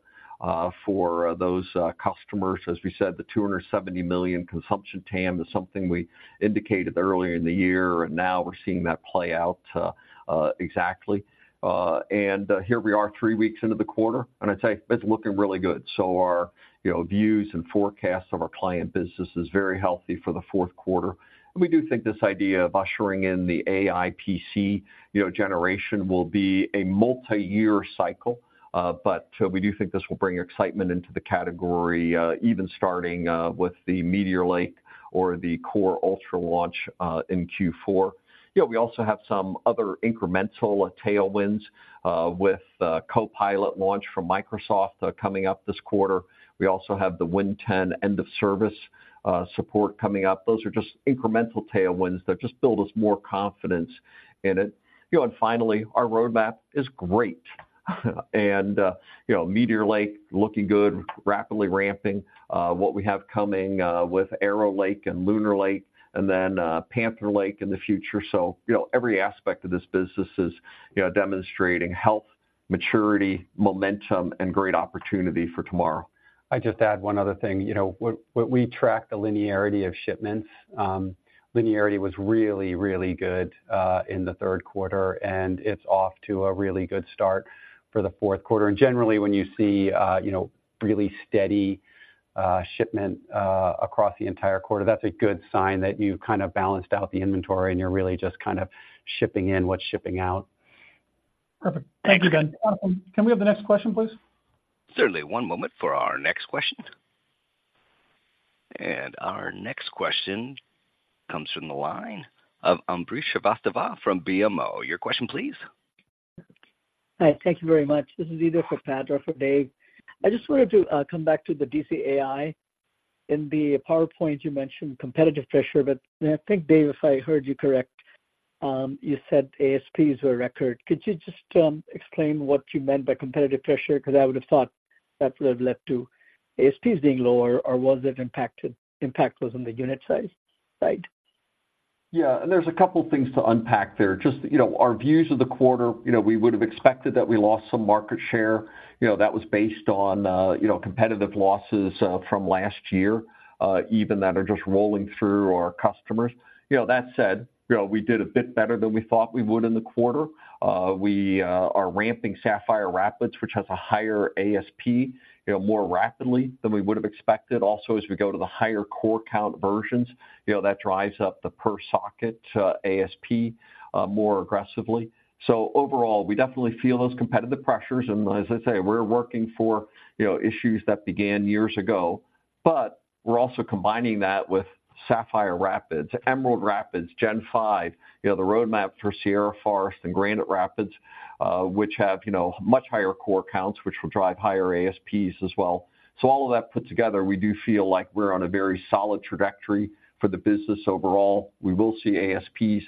for those customers. As we said, the $270 million consumption TAM is something we indicated earlier in the year, and now we're seeing that play out, exactly. Here we are, three weeks into the quarter, and I'd say it's looking really good. Our, you know, views and forecasts of our client business is very healthy for the fourth quarter. We do think this idea of ushering in the AI PC, you know, generation will be a multiyear cycle. We do think this will bring excitement into the category, even starting with the Meteor Lake or the Core Ultra launch in Q4. You know, we also have some other incremental tailwinds with the Copilot launch from Microsoft coming up this quarter. We also have the Windows 10 end of service support coming up. Those are just incremental tailwinds that just build us more confidence in it. You know, and finally, our roadmap is great. You know, Meteor Lake, looking good, rapidly ramping. What we have coming with Arrow Lake and Lunar Lake, and then Panther Lake in the future. You know, every aspect of this business is, you know, demonstrating health, maturity, momentum, and great opportunity for tomorrow. I'd just add one other thing. You know, what we track the linearity of shipments, linearity was really, really good, in the third quarter, and it's off to a really good start for the fourth quarter. And generally, when you see, you know, really steady, shipment across the entire quarter, that's a good sign that you've kind of balanced out the inventory, and you're really just kind of shipping in what's shipping out. Perfect. Thank you, Ben. Can we have the next question, please? Certainly. One moment for our next question. Our next question comes from the line of Ambrish Srivastava from BMO. Your question, please. Hi, thank you very much. This is either for Pat or for Dave. I just wanted to come back to the DCAI. In the PowerPoint, you mentioned competitive pressure, but I think, Dave, if I heard you correct, you said ASPs were record. Could you just explain what you meant by competitive pressure? Because I would have thought that would have led to ASPs being lower, or was the impact on the unit side? Yeah, and there's a couple things to unpack there. Just, you know, our views of the quarter, you know, we would have expected that we lost some market share. You know, that was based on, you know, competitive losses from last year even that are just rolling through our customers. You know, that said, you know, we did a bit better than we thought we would in the quarter. We are ramping Sapphire Rapids, which has a higher ASP, you know, more rapidly than we would have expected. Also, as we go to the higher core count versions, you know, that drives up the per socket ASP more aggressively. So overall, we definitely feel those competitive pressures and as I say, we're working for, you know, issues that began years ago. But we're also combining that with Sapphire Rapids, Emerald Rapids, Gen 5, you know, the roadmap for Sierra Forest and Granite Rapids, which have, you know, much higher core counts, which will drive higher ASPs as well. So all of that put together, we do feel like we're on a very solid trajectory for the business overall. We will see ASPs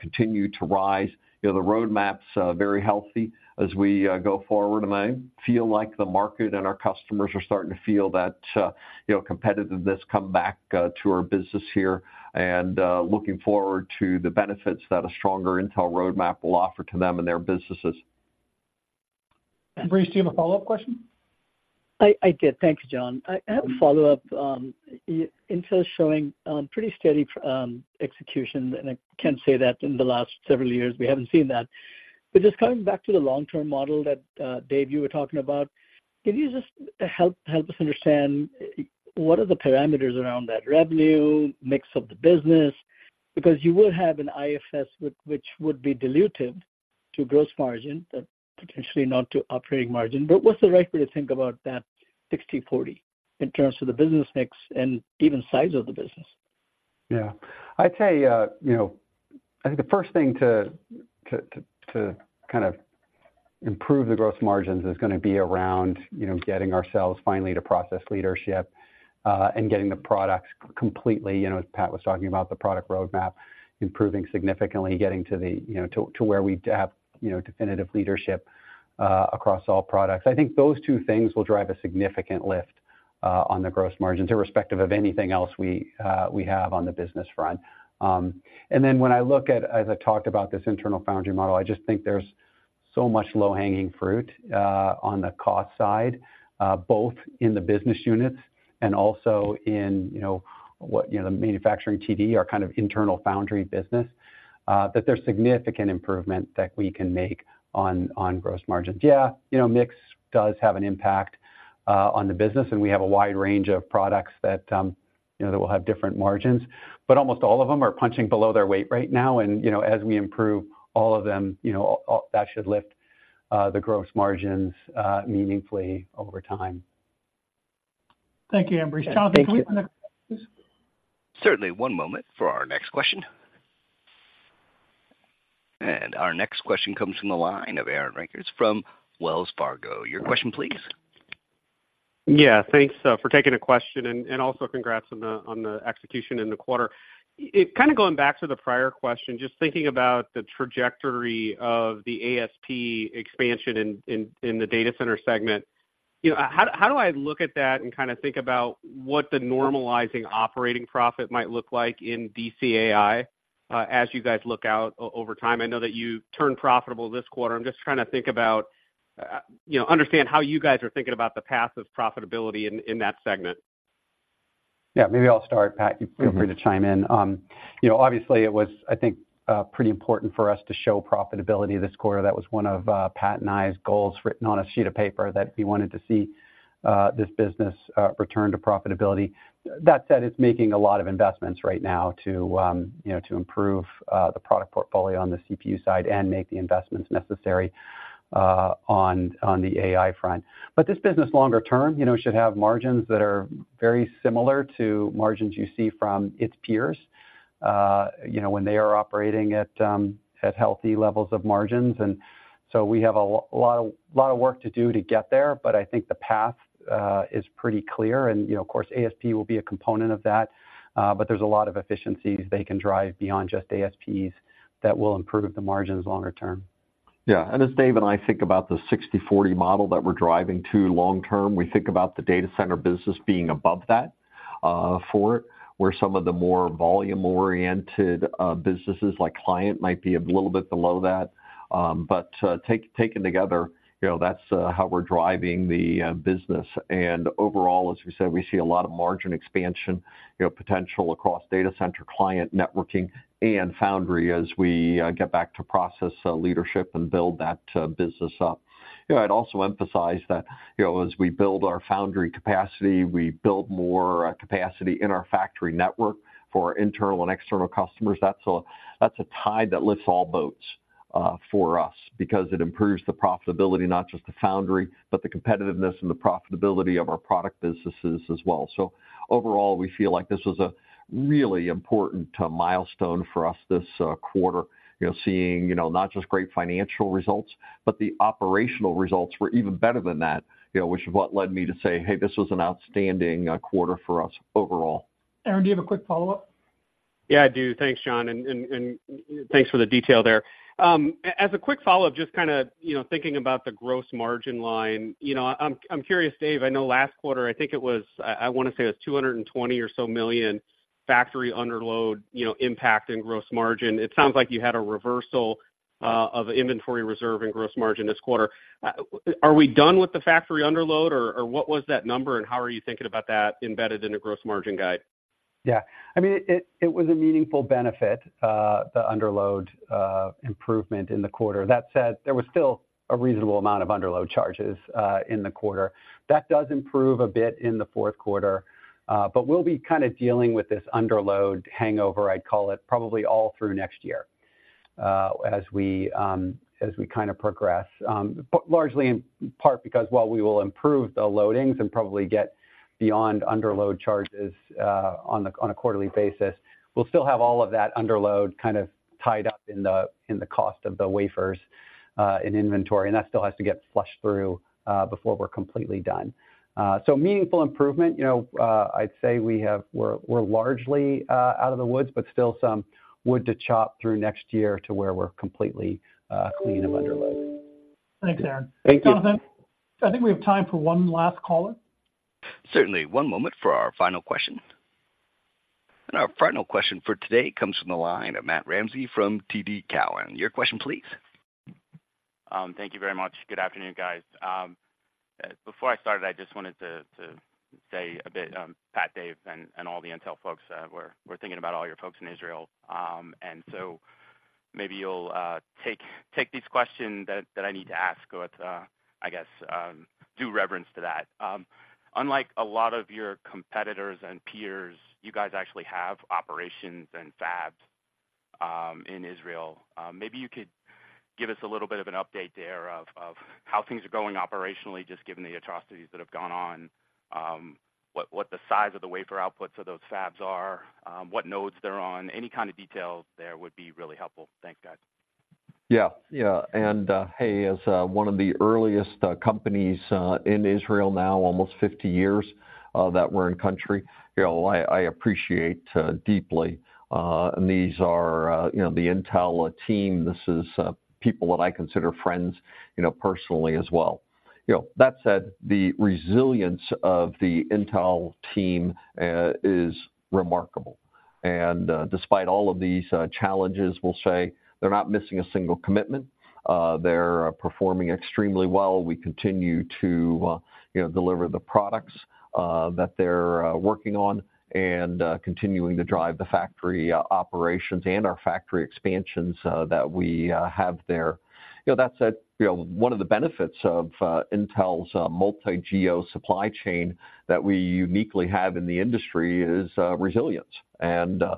continue to rise. You know, the roadmap's very healthy as we go forward, and I feel like the market and our customers are starting to feel that, you know, competitiveness come back to our business here. And looking forward to the benefits that a stronger Intel roadmap will offer to them and their businesses. Ambrish, do you have a follow-up question? I did. Thank you, John. I have a follow-up. Intel is showing pretty steady execution, and I can't say that in the last several years we haven't seen that. Just coming back to the long-term model that, Dave, you were talking about, can you just help us understand what are the parameters around that revenue, mix of the business? Because you would have an IFS, which would be diluted to gross margin, but potentially not to operating margin. What's the right way to think about that 60/40 in terms of the business mix and even size of the business? Yeah. I'd say, you know, I think the first thing to kind of improve the gross margins is going to be around, you know, getting ourselves finally to process leadership, and getting the products completely, you know, as Pat was talking about, the product roadmap, improving significantly, getting to the, you know, to where we have, you know, definitive leadership, across all products. I think those two things will drive a significant lift, on the gross margins, irrespective of anything else we have on the business front. And then when I look at, as I talked about this internal Foundry model, I just think there's so much low-hanging fruit on the cost side, both in the business units and also in, you know, what, you know, the manufacturing TD, our kind of internal Foundry business, that there's significant improvement that we can make on gross margins. Yeah, you know, mix does have an impact on the business, and we have a wide range of products that, you know, that will have different margins. But almost all of them are punching below their weight right now. And, you know, as we improve all of them, you know, all that should lift the gross margins meaningfully over time. Thank you, Ambrish. Jonathan, can we have the next question, please? Certainly. One moment for our next question. Our next question comes from the line of Aaron Rakers from Wells Fargo. Your question, please. Yeah, thanks for taking the question, and also congrats on the execution in the quarter. Kind of going back to the prior question, just thinking about the trajectory of the ASP expansion in the data center segment, you know, how do I look at that and kind of think about what the normalizing operating profit might look like in DCAI, as you guys look out over time? I know that you turned profitable this quarter. I'm just trying to think about, you know, understand how you guys are thinking about the path of profitability in that segment. Yeah, maybe I'll start, Pat. You feel free to chime in. You know, obviously, it was, I think, pretty important for us to show profitability this quarter. That was one of Pat and I's goals written on a sheet of paper, that we wanted to see this business return to profitability. That said, it's making a lot of investments right now to, you know, improve the product portfolio on the CPU side and make the investments necessary on the AI front. This business, longer term, you know, should have margins that are very similar to margins you see from its peers, you know, when they are operating at healthy levels of margins. And so we have a lot of work to do to get there, but I think the path is pretty clear. You know, of course, ASP will be a component of that, but there's a lot of efficiencies they can drive beyond just ASPs that will improve the margins longer term. Yeah, as Dave and I think about the 60/40 model that we're driving to long term, we think about the data center business being above that, for it, where some of the more volume-oriented businesses, like client, might be a little bit below that. Taken together, you know, that's how we're driving the business. Overall, as we said, we see a lot of margin expansion potential across data center, client, networking, and foundry as we get back to process leadership and build that business up. You know, I'd also emphasize that, you know, as we build our foundry capacity, we build more capacity in our factory network for our internal and external customers. That's a tide that lifts all boats for us because it improves the profitability, not just the foundry, but the competitiveness and the profitability of our product businesses as well. Overall, we feel like this is a really important milestone for us this quarter. You know, seeing, you know, not just great financial results, but the operational results were even better than that, you know, which is what led me to say, "Hey, this was an outstanding quarter for us overall. Aaron, do you have a quick follow-up? Yeah, I do. Thanks, John, and thanks for the detail there. As a quick follow-up, just kind of, you know, thinking about the gross margin line, you know, I'm curious, Dave. I know last quarter, I think it was, I want to say it was $220 million or so factory underload, you know, impact in gross margin. It sounds like you had a reversal of inventory reserve and gross margin this quarter. Are we done with the factory underload, or what was that number, and how are you thinking about that embedded in the gross margin guide? Yeah. I mean, it was a meaningful benefit, the underload improvement in the quarter. That said, there was still a reasonable amount of underload charges in the quarter. That does improve a bit in the fourth quarter, but we'll be kind of dealing with this underload hangover, I'd call it, probably all through next year, as we kind of progress. But largely in part because while we will improve the loadings and probably get beyond underload charges on a quarterly basis, we'll still have all of that underload kind of tied up in the cost of the wafers in inventory, and that still has to get flushed through before we're completely done. So meaningful improvement, you know, I'd say we have, we're, we're largely out of the woods, but still some wood to chop through next year to where we're completely clean of underload. Thanks, Aaron. Thank you. Jonathan, I think we have time for one last caller. Certainly. One moment for our final question. Our final question for today comes from the line of Matt Ramsay from TD Cowen. Your question please. Thank you very much. Good afternoon, guys. Before I start, I just wanted to say a bit, Pat, Dave, and all the Intel folks, we're thinking about all your folks in Israel. And so maybe you'll take these questions that I need to ask with, I guess, due reverence to that. Unlike a lot of your competitors and peers, you guys actually have operations and fabs in Israel. Maybe you could give us a little bit of an update there of how things are going operationally, just given the atrocities that have gone on, what the size of the wafer outputs of those fabs are, what nodes they're on. Any kind of details there would be really helpful. Thanks, guys. Yeah. Yeah. And, hey, as one of the earliest companies in Israel now, almost 50 years that we're in country, you know, I appreciate deeply. And these are, you know, the Intel team. This is people that I consider friends, you know, personally as well. You know, that said, the resilience of the Intel team is remarkable. And, despite all of these challenges, we'll say, they're not missing a single commitment. They're performing extremely well. We continue to, you know, deliver the products that they're working on and continuing to drive the factory operations and our factory expansions that we have there. You know, that said, you know, one of the benefits of Intel's multi-geo supply chain that we uniquely have in the industry is resilience. You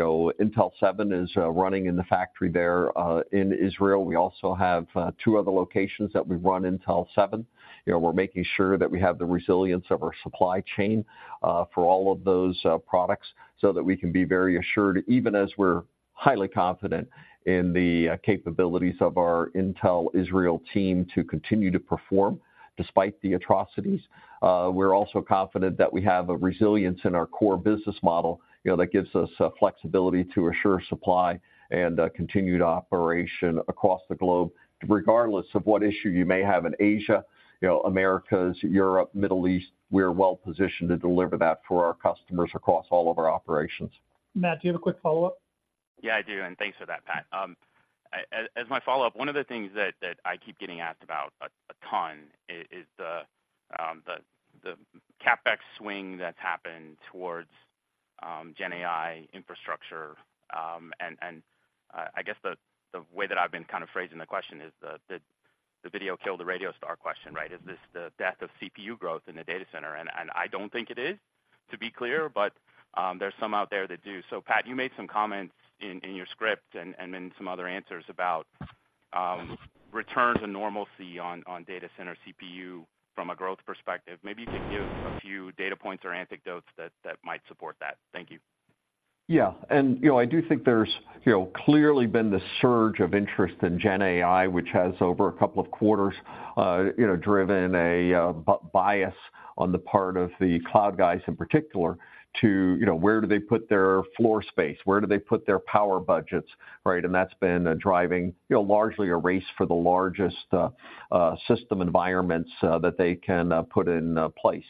know, Intel 7 is running in the factory there, in Israel. We also have two other locations that we run Intel 7. You know, we're making sure that we have the resilience of our supply chain, for all of those products so that we can be very assured, even as we're highly confident in the capabilities of our Intel Israel team to continue to perform despite the atrocities. We're also confident that we have a resilience in our core business model, you know, that gives us flexibility to assure supply and continued operation across the globe. Regardless of what issue you may have in Asia, you know, Americas, Europe, Middle East, we're well positioned to deliver that for our customers across all of our operations. Matt, do you have a quick follow-up? Yeah, I do, and thanks for that, Pat. As my follow-up, one of the things that I keep getting asked about a ton is the CapEx swing that's happened towards Gen AI infrastructure. And I guess the way that I've been kind of phrasing the question is the Video Killed the Radio Star question, right? Is this the death of CPU growth in the data center? And I don't think it is, to be clear, but there's some out there that do. So, Pat, you made some comments in your script and then some other answers about return to normalcy on data center CPU from a growth perspective. Maybe you could give a few data points or anecdotes that might support that. Thank you. Yeah. You know, I do think there's, you know, clearly been this surge of interest in Gen AI, which has, over a couple of quarters, you know, driven a bias on the part of the cloud guys in particular, to, you know, where do they put their floor space? Where do they put their power budgets, right? That's been driving, you know, largely a race for the largest system environments that they can put in place.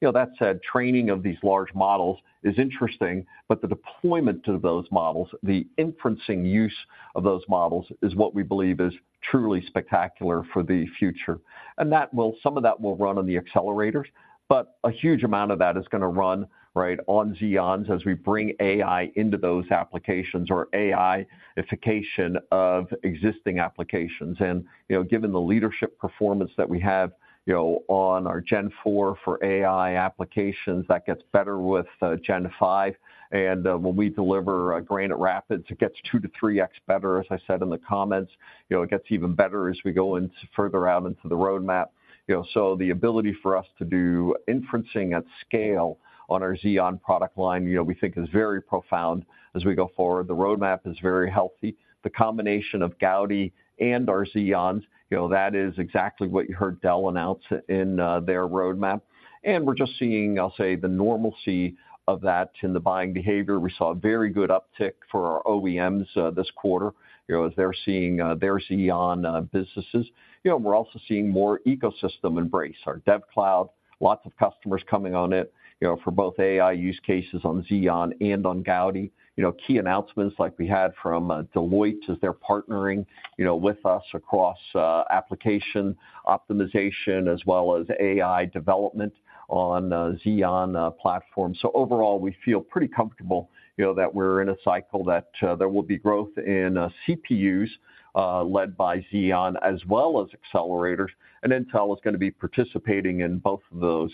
You know, that said, training of these large models is interesting, but the deployment of those models, the inferencing use of those models, is what we believe is truly spectacular for the future. And that will, some of that will run on the accelerators, but a huge amount of that is going to run, right, on Xeons as we bring AI into those applications or AI-ification of existing applications. And, you know, given the leadership performance that we have, you know, on our Gen 4 for AI applications, that gets better with Gen 5. And, when we deliver Granite Rapids, it gets 2-3x better, as I said in the comments. You know, it gets even better as we go into further out into the roadmap. You know, so the ability for us to do inferencing at scale on our Xeon product line, you know, we think is very profound as we go forward. The roadmap is very healthy. The combination of Gaudi and our Xeons, you know, that is exactly what you heard Dell announce in their roadmap. And we're just seeing, I'll say, the normalcy of that in the buying behavior. We saw a very good uptick for our OEMs this quarter, you know, as they're seeing their Xeon businesses. You know, we're also seeing more ecosystem embrace. Our DevCloud, lots of customers coming on it, you know, for both AI use cases on Xeon and on Gaudi. You know, key announcements like we had from Deloitte, as they're partnering, you know, with us across application optimization, as well as AI development on the Xeon platform. So overall, we feel pretty comfortable, you know, that we're in a cycle that there will be growth in CPUs led by Xeon as well as accelerators. Intel is going to be participating in both of those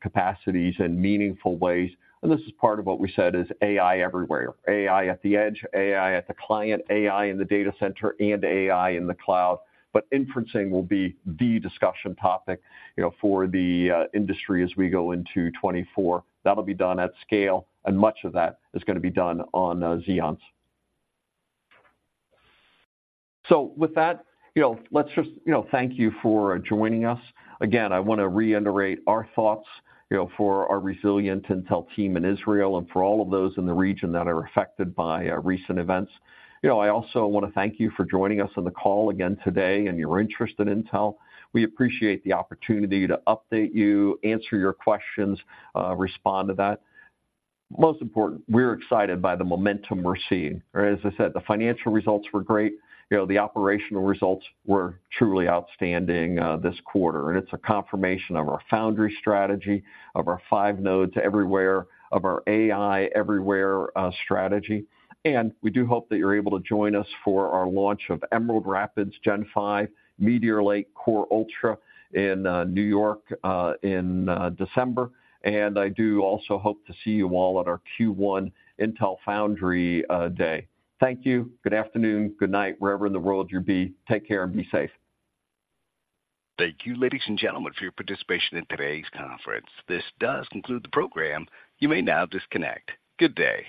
capacities in meaningful ways. This is part of what we said is AI Everywhere. AI at the edge, AI at the client, AI in the data center, and AI in the cloud. But inferencing will be the discussion topic, you know, for the industry as we go into 2024. That'll be done at scale, and much of that is going to be done on Xeons. So with that, you know, let's just thank you for joining us. Again, I want to reiterate our thoughts, you know, for our resilient Intel team in Israel and for all of those in the region that are affected by recent events. You know, I also want to thank you for joining us on the call again today and your interest in Intel. We appreciate the opportunity to update you, answer your questions, respond to that. Most important, we're excited by the momentum we're seeing. As I said, the financial results were great. You know, the operational results were truly outstanding, this quarter. And it's a confirmation of our Foundry strategy, of our five nodes everywhere, of our AI Everywhere, strategy. And we do hope that you're able to join us for our launch of Emerald Rapids, Gen 5, Meteor Lake, Core Ultra in, New York, in, December. And I do also hope to see you all at our Q1 Intel Foundry Day. Thank you. Good afternoon, good night, wherever in the world you be. Take care and be safe. Thank you, ladies and gentlemen, for your participation in today's conference. This does conclude the program. You may now disconnect. Good day.